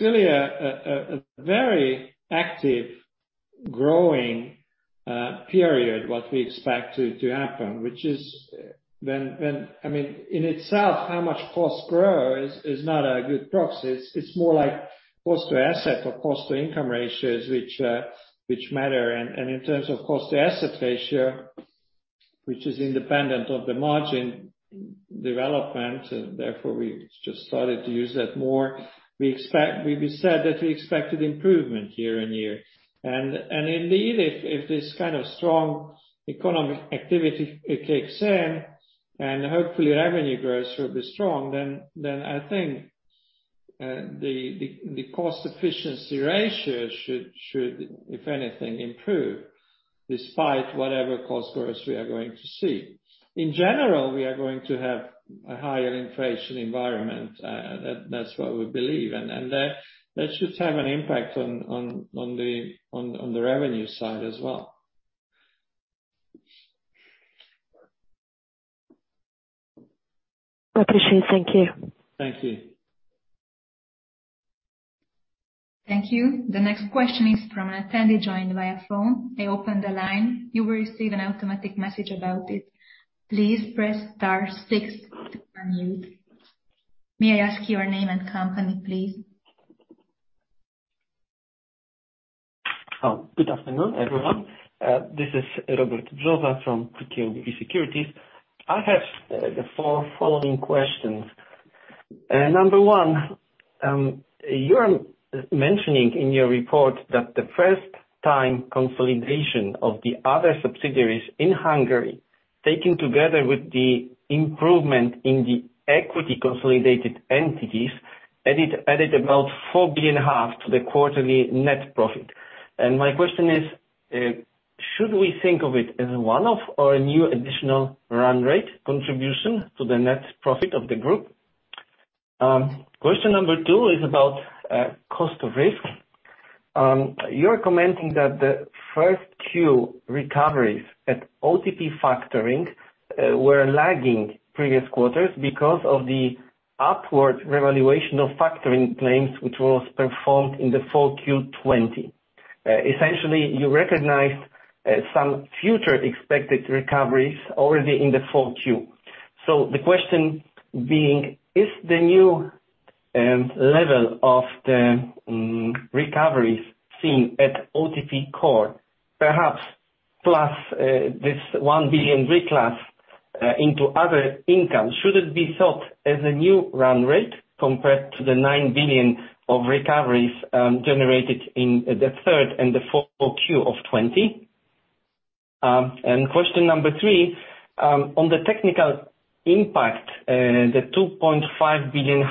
really a very active growing period, what we expect to happen. In itself, how much cost grows is not a good proxy. It's more like cost to assets or cost-to-income ratios, which matter. In terms of cost to assets ratio, which is independent of the margin development and therefore we just started to use that more, we said that we expected improvement year-on-year. Indeed, if this kind of strong economic activity kicks in and hopefully revenue growth will be strong, then I think the cost efficiency ratio should, if anything, improve despite whatever cost growth we are going to see. In general, we are going to have a higher inflation environment. That's what we believe. That should have an impact on the revenue side as well. I appreciate. Thank you. Thank you. Thank you. The next question is from an attendee joined via phone. I open the line. May I ask your name and company, please? Good afternoon, everyone. This is Robert Brzoza from PKO BP Securities. I have the four following questions. Number one, you are mentioning in your report that the first time consolidation of the other subsidiaries in Hungary, taken together with the improvement in the equity consolidated entities, added about 4 billion to the quarterly net profit. My question is, should we think of it as one of our new additional run rate contribution to the net profit of the group? Question number two is about cost of risk. You're commenting that the first Q recoveries at OTP Factoring were lagging previous quarters because of the upward revaluation of factoring claims, which was performed in the 4Q 2020. Essentially, you recognized some future expected recoveries already in the 4Q. The question being, is the new level of the recoveries seen at OTP Core, perhaps plus this 1 billion reclass into other income, should it be thought as a new run rate compared to the 9 billion of recoveries generated in the third and the 4Q of 2020? Question number three, on the technical impact the 2.5 billion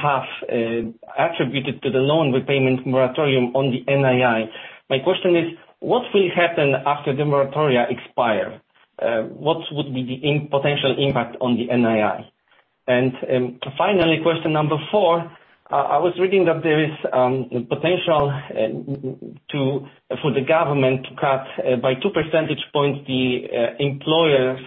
attributed to the loan repayment moratorium on the NII. My question is, what will happen after the moratoria expire? What would be the potential impact on the NII? Finally, question number four, I was reading that there is potential for the government to cut by two percentage points the employer's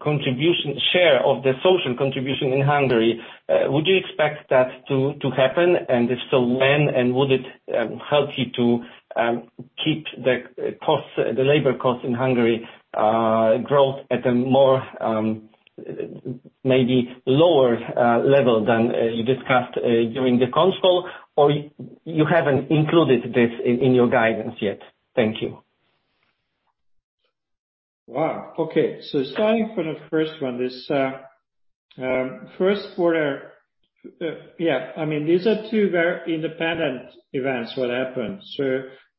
contribution share of the social contribution in Hungary. Would you expect that to happen? If so, when, and would it help you to keep the labor cost in Hungary growth at a more maybe lower level than you discussed during the call or you haven't included this in your guidance yet? Thank you. Wow, okay. Starting from the first one, this first quarter. These are two very independent events, what happened.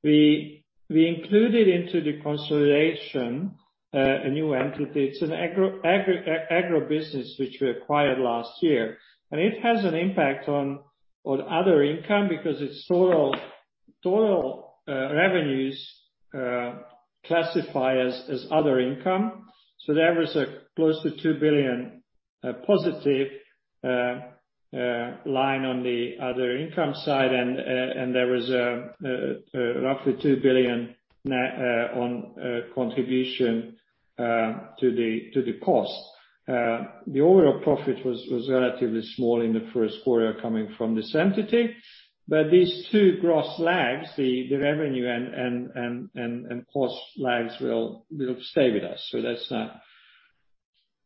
We included into the consolidation a new entity. It is an agribusiness which we acquired last year, and it has an impact on other income because its total revenues classify as other income. There was a close to 2 billion positive line on the other income side, and there was roughly 2 billion on contribution to the cost. The overall profit was relatively small in the first quarter coming from this entity. These two gross lags, the revenue and cost lags will stay with us.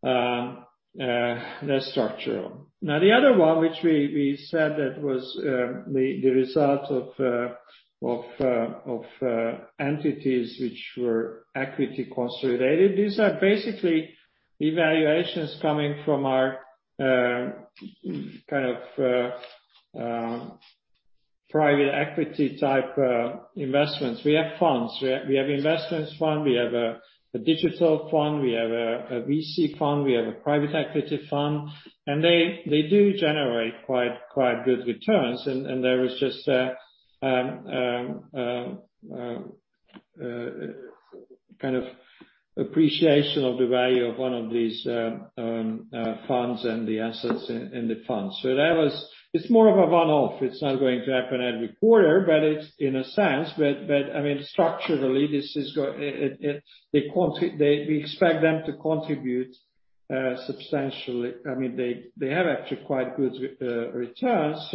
That is structural. The other one, which we said that was the result of entities which were equity consolidated. These are basically evaluations coming from our private equity type investments. We have funds. We have investments fund, we have a digital fund, we have a VC fund, we have a private equity fund, and they do generate quite good returns. There is just a kind of appreciation of the value of one of these funds and the assets in the funds. It's more of a one-off. It's not going to happen every quarter, but in a sense, structurally, we expect them to contribute substantially. They have actually quite good returns.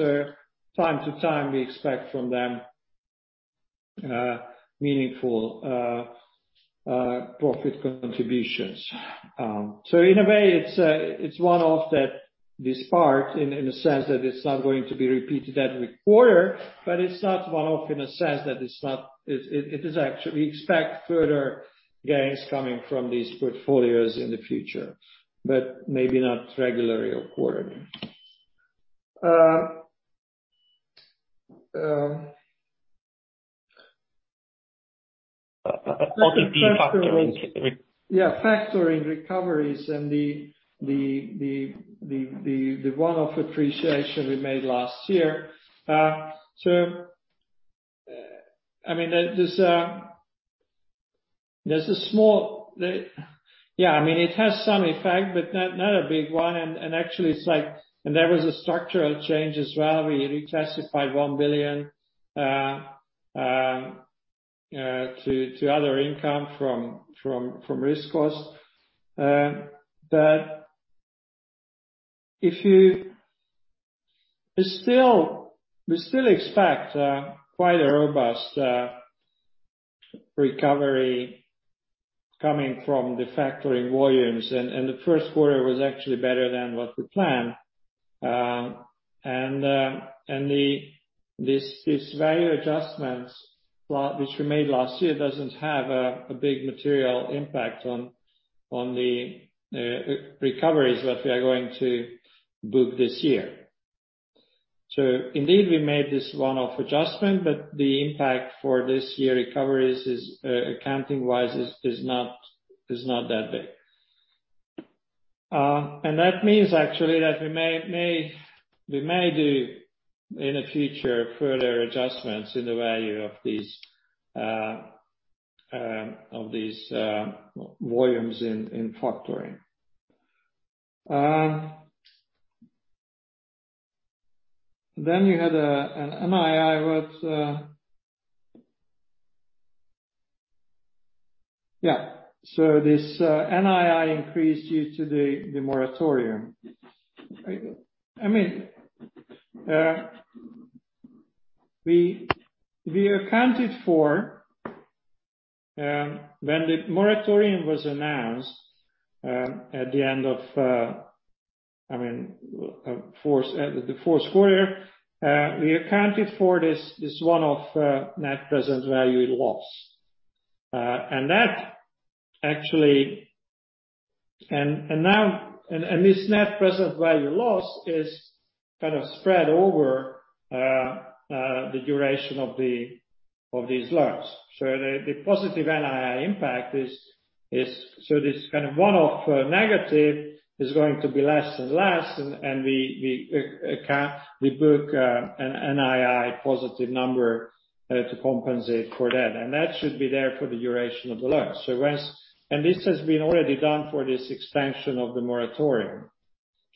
Time to time, we expect from them meaningful profit contributions. In a way, it's one-off that this part, in a sense, that it's not going to be repeated every quarter, but it's not one-off in a sense that we expect further gains coming from these portfolios in the future, but maybe not regularly or quarterly. OTP Faktoring. Factoring recoveries and the one-off appreciation we made last year. It has some effect, not a big one. Actually, there was a structural change as well, where we reclassified HUF 1 billion to other income from risk cost. We still expect quite a robust recovery coming from the factoring volumes. The first quarter was actually better that what we planned. This value adjustments which we made last year doesn't have a big material impact on the recoveries that we are going to book this year. Indeed, we made this one-off adjustment, the impact for this year recoveries accounting wise is not that big. That means actually that we may do in the future further adjustments in the value of these volumes in factoring. You had an NII. This NII increase due to the moratorium. The moratorium was announced at the end of the fourth quarter, we accounted for this one-off net present value loss. This net present value loss is kind of spread over the duration of these loans. The positive NII impact is kind of one-off negative is going to be less and less, and we book an NII positive number to compensate for that. That should be there for the duration of the loan. This has been already done for this extension of the moratorium.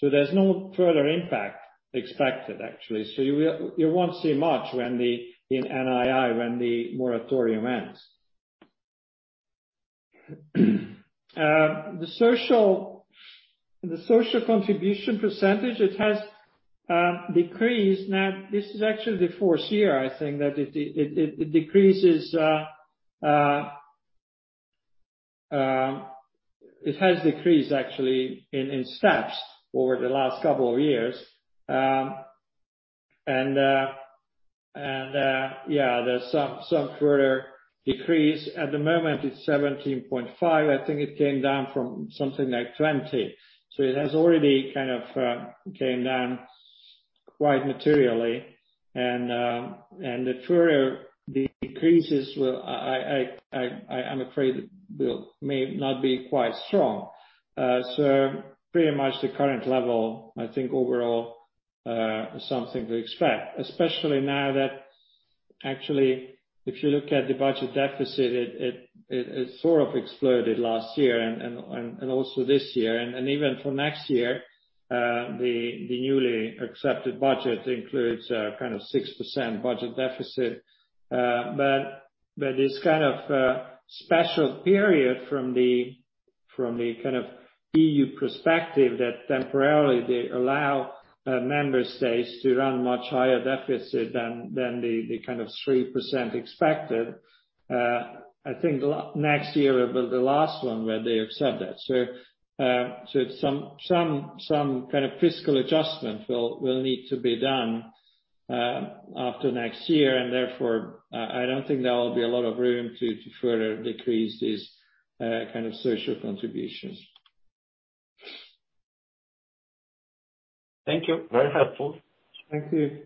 There's no further impact expected, actually. You won't see much in NII when the moratorium ends. The social contribution percentage, it has decreased. This is actually the fourth year, I think, that it decreases. It has decreased actually in steps over the last couple of years. There's some further decrease. At the moment, it's 17.5%. I think it came down from something like 20. It has already kind of came down quite materially. The further decreases, I'm afraid, may not be quite strong. Pretty much the current level, I think overall, something to expect, especially now that actually, if you look at the budget deficit, it sort of exploded last year and also this year. Even for next year, the newly accepted budget includes a 6% budget deficit. This kind of special period from the EU perspective that temporarily they allow member states to run much higher deficit than the 3% expected. I think next year will be the last one where they accept that. Some kind of fiscal adjustment will need to be done after next year, and therefore, I don't think there will be a lot of room to further decrease these social contributions. Thank you. Very helpful. Thank you.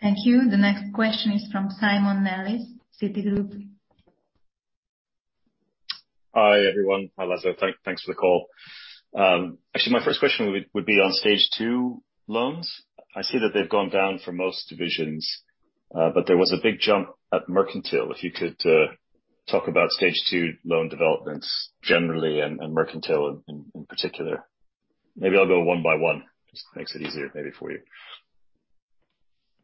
Thank you. The next question is from Simon Nellis, Citigroup. Hi, everyone. Hi, László. Thanks for the call. Actually, my first question would be on Stage 2 loans. I see that they've gone down for most divisions. There was a big jump at Merkantil. If you could talk about Stage 2 loan developments generally and Merkantil in particular. Maybe I'll go one by one, just makes it easier maybe for you.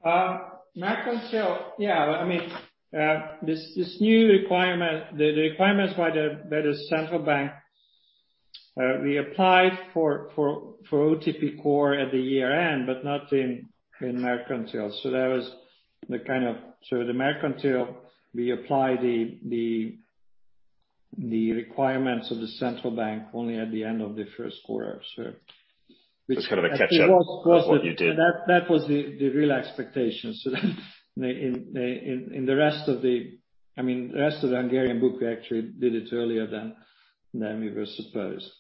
Merkantil. Yeah. This new requirement, the requirements by the Central Bank, we applied for OTP Core at the year-end, but not in Merkantil. At Merkantil, we apply the requirements of the Central Bank only at the end of the first quarter. It's kind of a catch-up of what you did. That was the real expectation. In the rest of the Hungarian book, we actually did it earlier than we were supposed.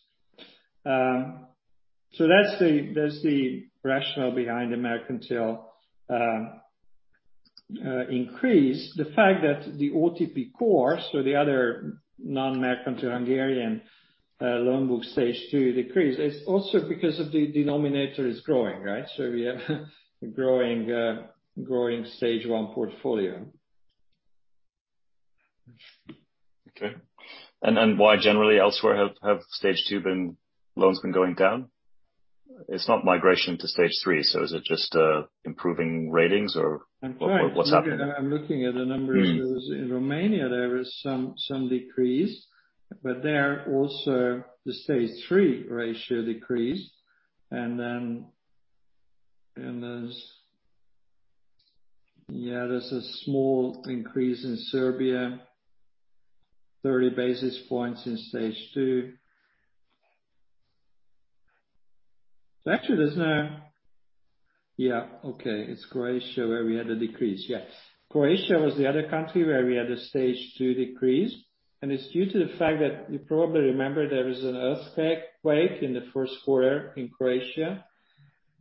That's the rationale behind the Merkantil increase. The fact that the OTP Core, so the other non-Merkantil Hungarian loan book Stage 2 decrease, is also because of the denominator is growing, right? We have a growing Stage 1 portfolio. Okay. Why generally elsewhere have Stage 2 loans been going down? It's not migration to Stage 3, so is it just improving ratings or what's happening? I'm looking at the numbers. In Romania, there is some decrease, but there also the Stage 3 ratio decreased. There's a small increase in Serbia, 30 basis points in Stage 2. Actually, it's Croatia where we had a decrease. Croatia was the other country where we had a Stage 2 decrease, and it's due to the fact that you probably remember there was an earthquake in the first quarter in Croatia,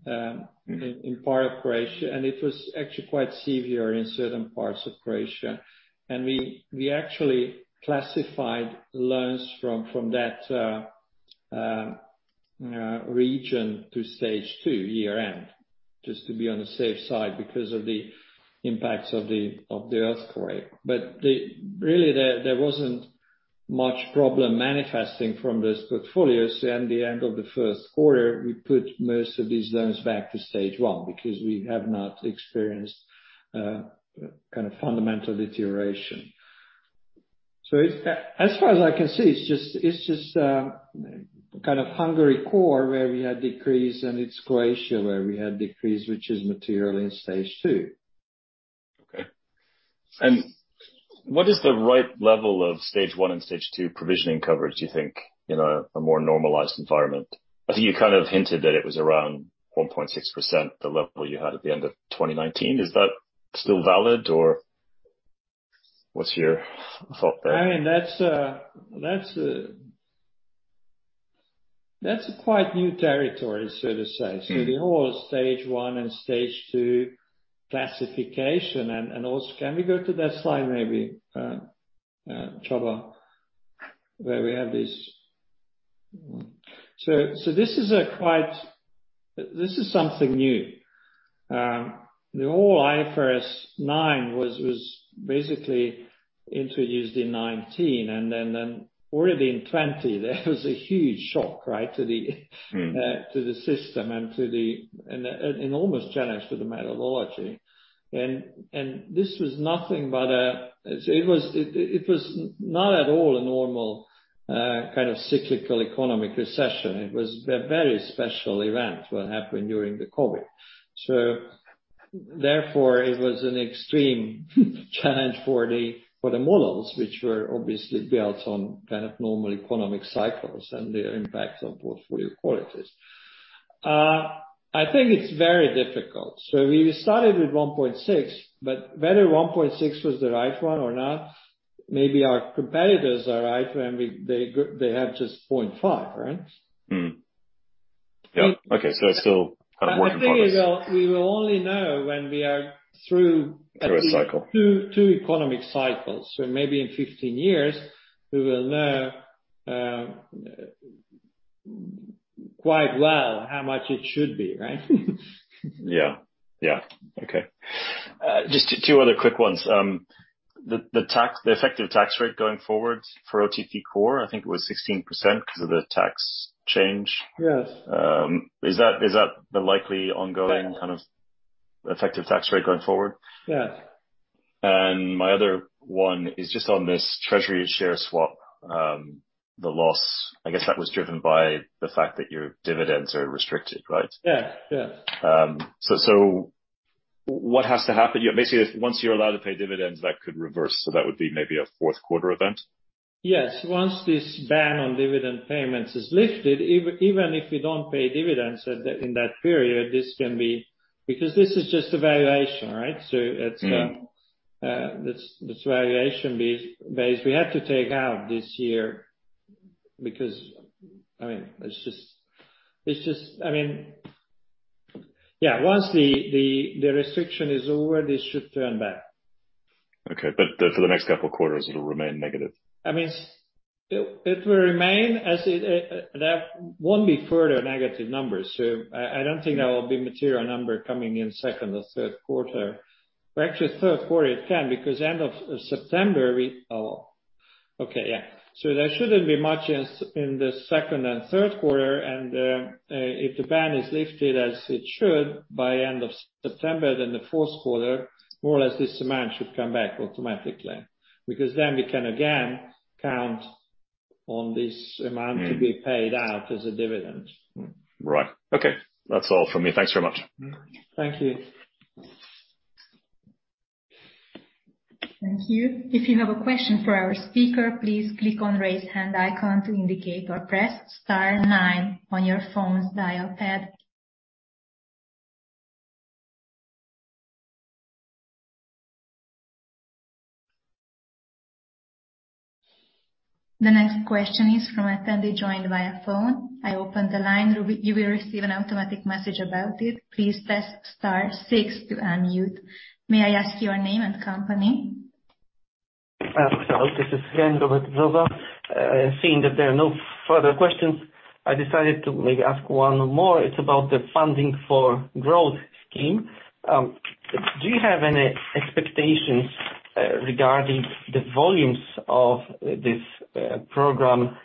in part of Croatia. It was actually quite severe in certain parts of Croatia. We actually classified loans from that region to Stage 2 year-end, just to be on the safe side because of the impacts of the earthquake. Really, there wasn't much problem manifesting from those portfolios. In the end of the first quarter, we put most of these loans back to Stage 1 because we have not experienced fundamental deterioration. As far as I can see, it's just Hungary Core where we had decrease and it's Croatia where we had decrease, which is material in Stage 2. Okay. What is the right level of Stage 1 and Stage 2 provisioning coverage, do you think, in a more normalized environment? I think you kind of hinted that it was around 1.6%, the level you had at the end of 2019. Is that still valid or what's your thought there? That's a quite new territory, so to say. The whole Stage 1 and Stage 2 classification. Can we go to that slide, maybe, Csaba? Where we have this. This is something new. The whole IFRS 9 was basically introduced in 2019. Then already in 2020, there was a huge shock, right, to the system and an enormous challenge to the methodology. This was nothing but. It was not at all a normal kind of cyclical economic recession. It was a very special event, what happened during the COVID. Therefore, it was an extreme challenge for the models, which were obviously built on kind of normal economic cycles and their impact on portfolio qualities. I think it's very difficult. We started with 1.6%, but whether 1.6% was the right one or not, maybe our competitors are right when they have just 0.5%, right? Okay. It's still kind of work in progress. We will only know when we are through. Through a cycle Two economic cycles. Maybe in 15 years we will know quite well how much it should be, right? Yeah. Okay. Just two other quick ones. The effective tax rate going forward for OTP Core, I think it was 16% because of the tax change. Yes. Is that the likely ongoing kind of effective tax rate going forward? Yes. My other one is just on this treasury share swap, the loss. I guess that was driven by the fact that your dividends are restricted, right? Yeah. What has to happen? Basically, once you're allowed to pay dividends, that could reverse, so that would be maybe a fourth quarter event? Yes. Once this ban on dividend payments is lifted, even if we don't pay dividends in that period, this can be. This is just a valuation, right? It's valuation-based. We had to take out this year. Once the restriction is over, this should turn back. Okay. For the next couple of quarters, it'll remain negative. It will remain as it. There won't be further negative numbers. I don't think there will be material number coming in second or third quarter. Well, actually, third quarter it can, because end of September we. Okay. Yeah. There shouldn't be much in the second and third quarter. If the ban is lifted as it should by end of September, the fourth quarter, more or less, this amount should come back automatically. We can again count on this amount to be paid out as a dividend. Right. Okay. That's all from me. Thanks very much. Thank you. Thank you. If you have a question for our speaker, please click on Raise Hand icon to indicate or press star nine on your phone's dial pad. The next question is from attendee joined via phone. I open the line. You will receive an automatic message about it. Please press star six to unmute. May I ask your name and company? Sure. Again this is Robert Brzoza. Seeing that there are no further questions, I decided to maybe ask one more. It's about the Funding for Growth Scheme. Do you have any expectations regarding the volumes of this program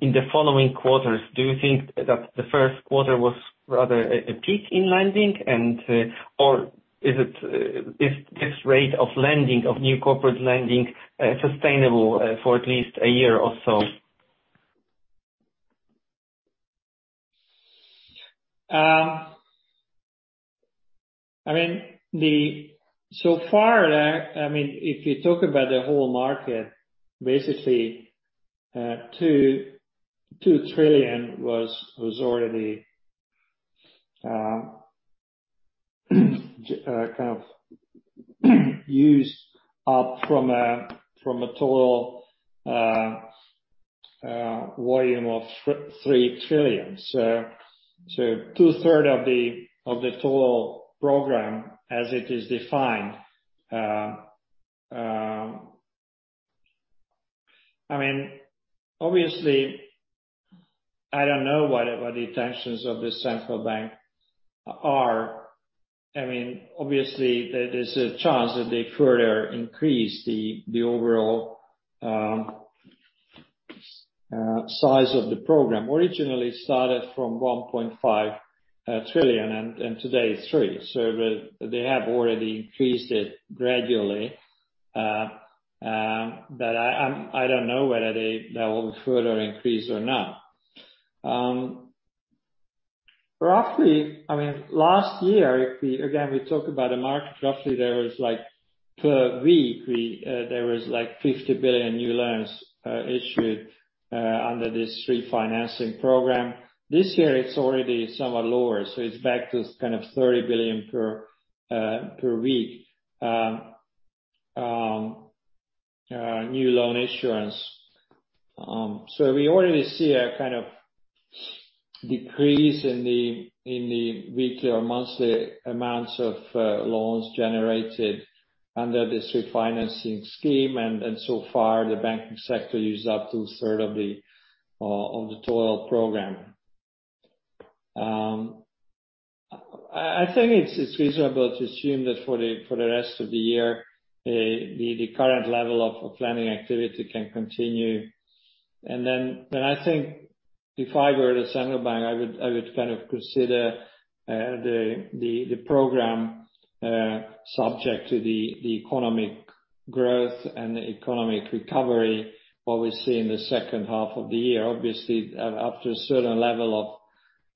in the following quarters? Do you think that the first quarter was rather a peak in lending, or is this rate of lending of new corporate lending sustainable for at least a year or so? So far, if you talk about the whole market, basically HUF 2 trillion was already kind of used up from a total volume of 3 trillion. Two-thirds of the total program as it is defined. Obviously, I don't know what the intentions of the central bank are. Obviously, there's a chance that they further increase the overall size of the program. Originally, it started from 1.5 trillion, and today it's 3 trillion. They have already increased it gradually. I don't know whether they will further increase or not. Roughly, last year, again, we talk about the market, roughly there was like per week, there was like 50 billion new loans issued under this refinancing program. This year it's already somewhat lower, it's back to kind of 30 billion per week new loan issuance. We already see a kind of decrease in the weekly or monthly amounts of loans generated under this refinancing scheme. So far, the banking sector used up two third of the total program. I think it's reasonable to assume that for the rest of the year, the current level of lending activity can continue. Then, I think if I were the central bank, I would kind of consider the program subject to the economic growth and the economic recovery, what we see in the second half of the year. Obviously,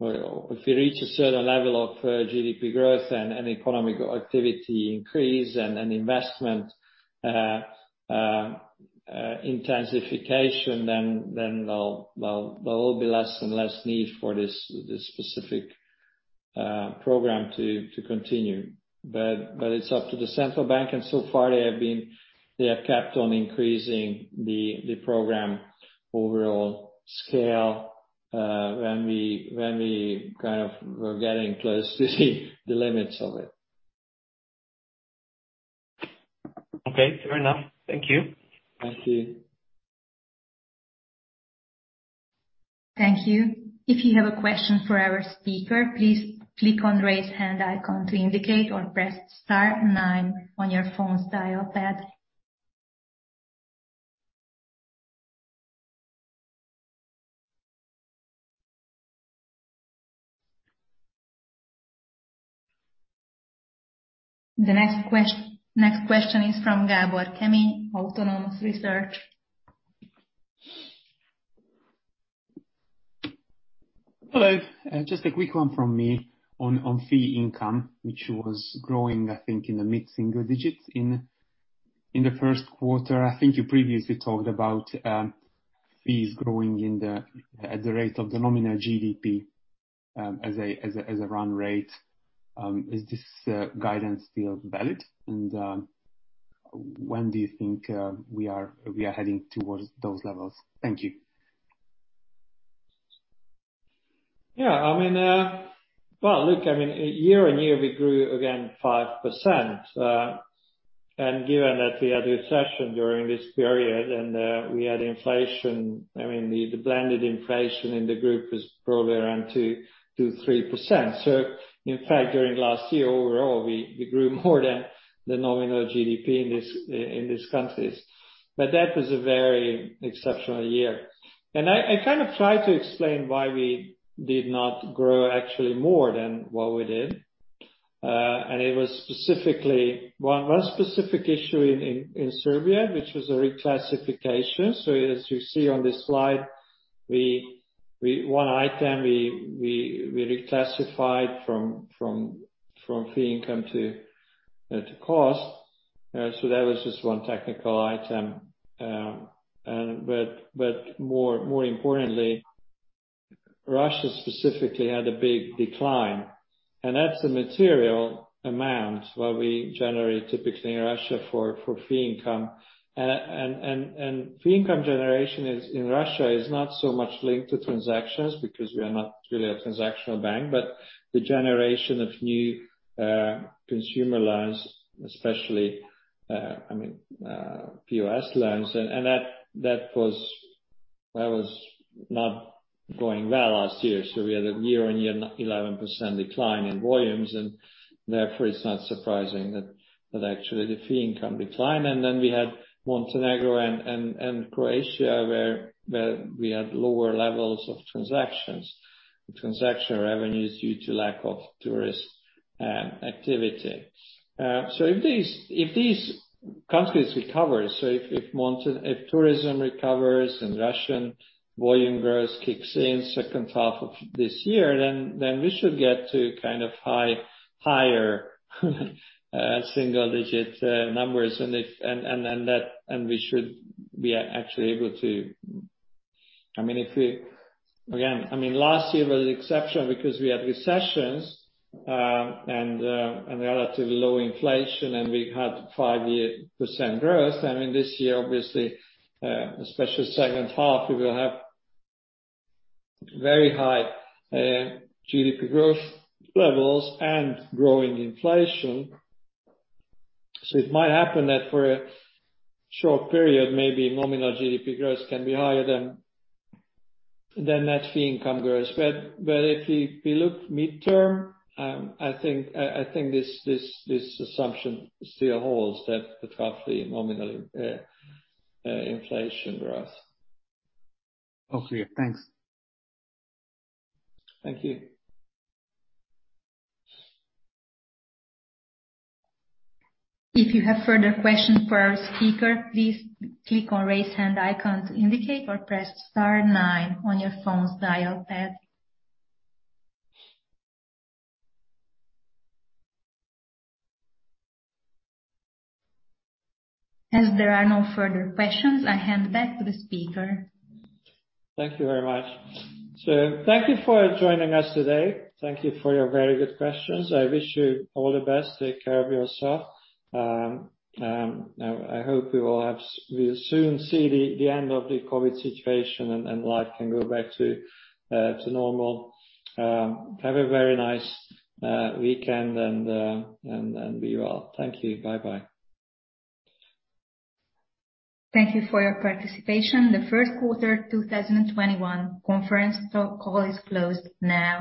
if we reach a certain level of GDP growth and economic activity increase and investment intensification, then there will be less and less need for this specific program to continue. It's up to the Central Bank, and so far they have kept on increasing the program overall scale when we kind of were getting close to the limits of it. Okay, fair enough. Thank you. Thank you. Thank you. If you have a question for our speaker, please click on raise hand icon to indicate, or press star nine on your phone's dial pad. The next question is from Gábor Kemény, Autonomous Research. Hello. Just a quick one from me on fee income, which was growing, I think, in the mid-single digits in the first quarter. I think you previously talked about fees growing at the rate of the nominal GDP as a run rate. Is this guidance still valid? When do you think we are heading towards those levels? Thank you. Well, look, year-on-year, we grew again 5%. Given that we had a recession during this period and we had inflation, the blended inflation in the group is probably around 2%-3%. In fact, during last year overall, we grew more than the nominal GDP in these countries. That was a very exceptional year. I kind of try to explain why we did not grow actually more than what we did. It was one specific issue in Serbia, which was a reclassification. As you see on this slide, one item we reclassified from fee income to cost. That was just one technical item. More importantly, Russia specifically had a big decline, and that's a material amount what we generate typically in Russia for fee income. Fee income generation in Russia is not so much linked to transactions because we are not really a transactional bank, but the generation of new consumer loans, especially, POS loans. That was not going well last year. We had a year-on-year 11% decline in volumes, and therefore it's not surprising that actually the fee income declined. We had Montenegro and Croatia, where we had lower levels of transactions, transactional revenues due to lack of tourist activity. If these countries recover, so if tourism recovers and Russian volume growth kicks in second half of this year, then we should get to kind of higher single-digit numbers. Again, last year was exceptional because we had recessions and a relatively low inflation, and we had 5% growth. This year, obviously, especially second half, we will have very high GDP growth levels and growing inflation. It might happen that for a short period, maybe nominal GDP growth can be higher than that fee income growth. If we look midterm, I think this assumption still holds that above the nominal inflation growth. Okay, thanks. Thank you. If you have further questions for our speaker, please click on Raise Hand icon to indicate or press star nine on your phone's dial pad. As there are no further questions, I hand back to the speaker. Thank you very much. Thank you for joining us today. Thank you for your very good questions. I wish you all the best. Take care of yourself. I hope we'll soon see the end of the COVID situation and life can go back to normal. Have a very nice weekend, and be well. Thank you. Bye-bye. Thank you for your participation. The first quarter 2021 conference call is closed now.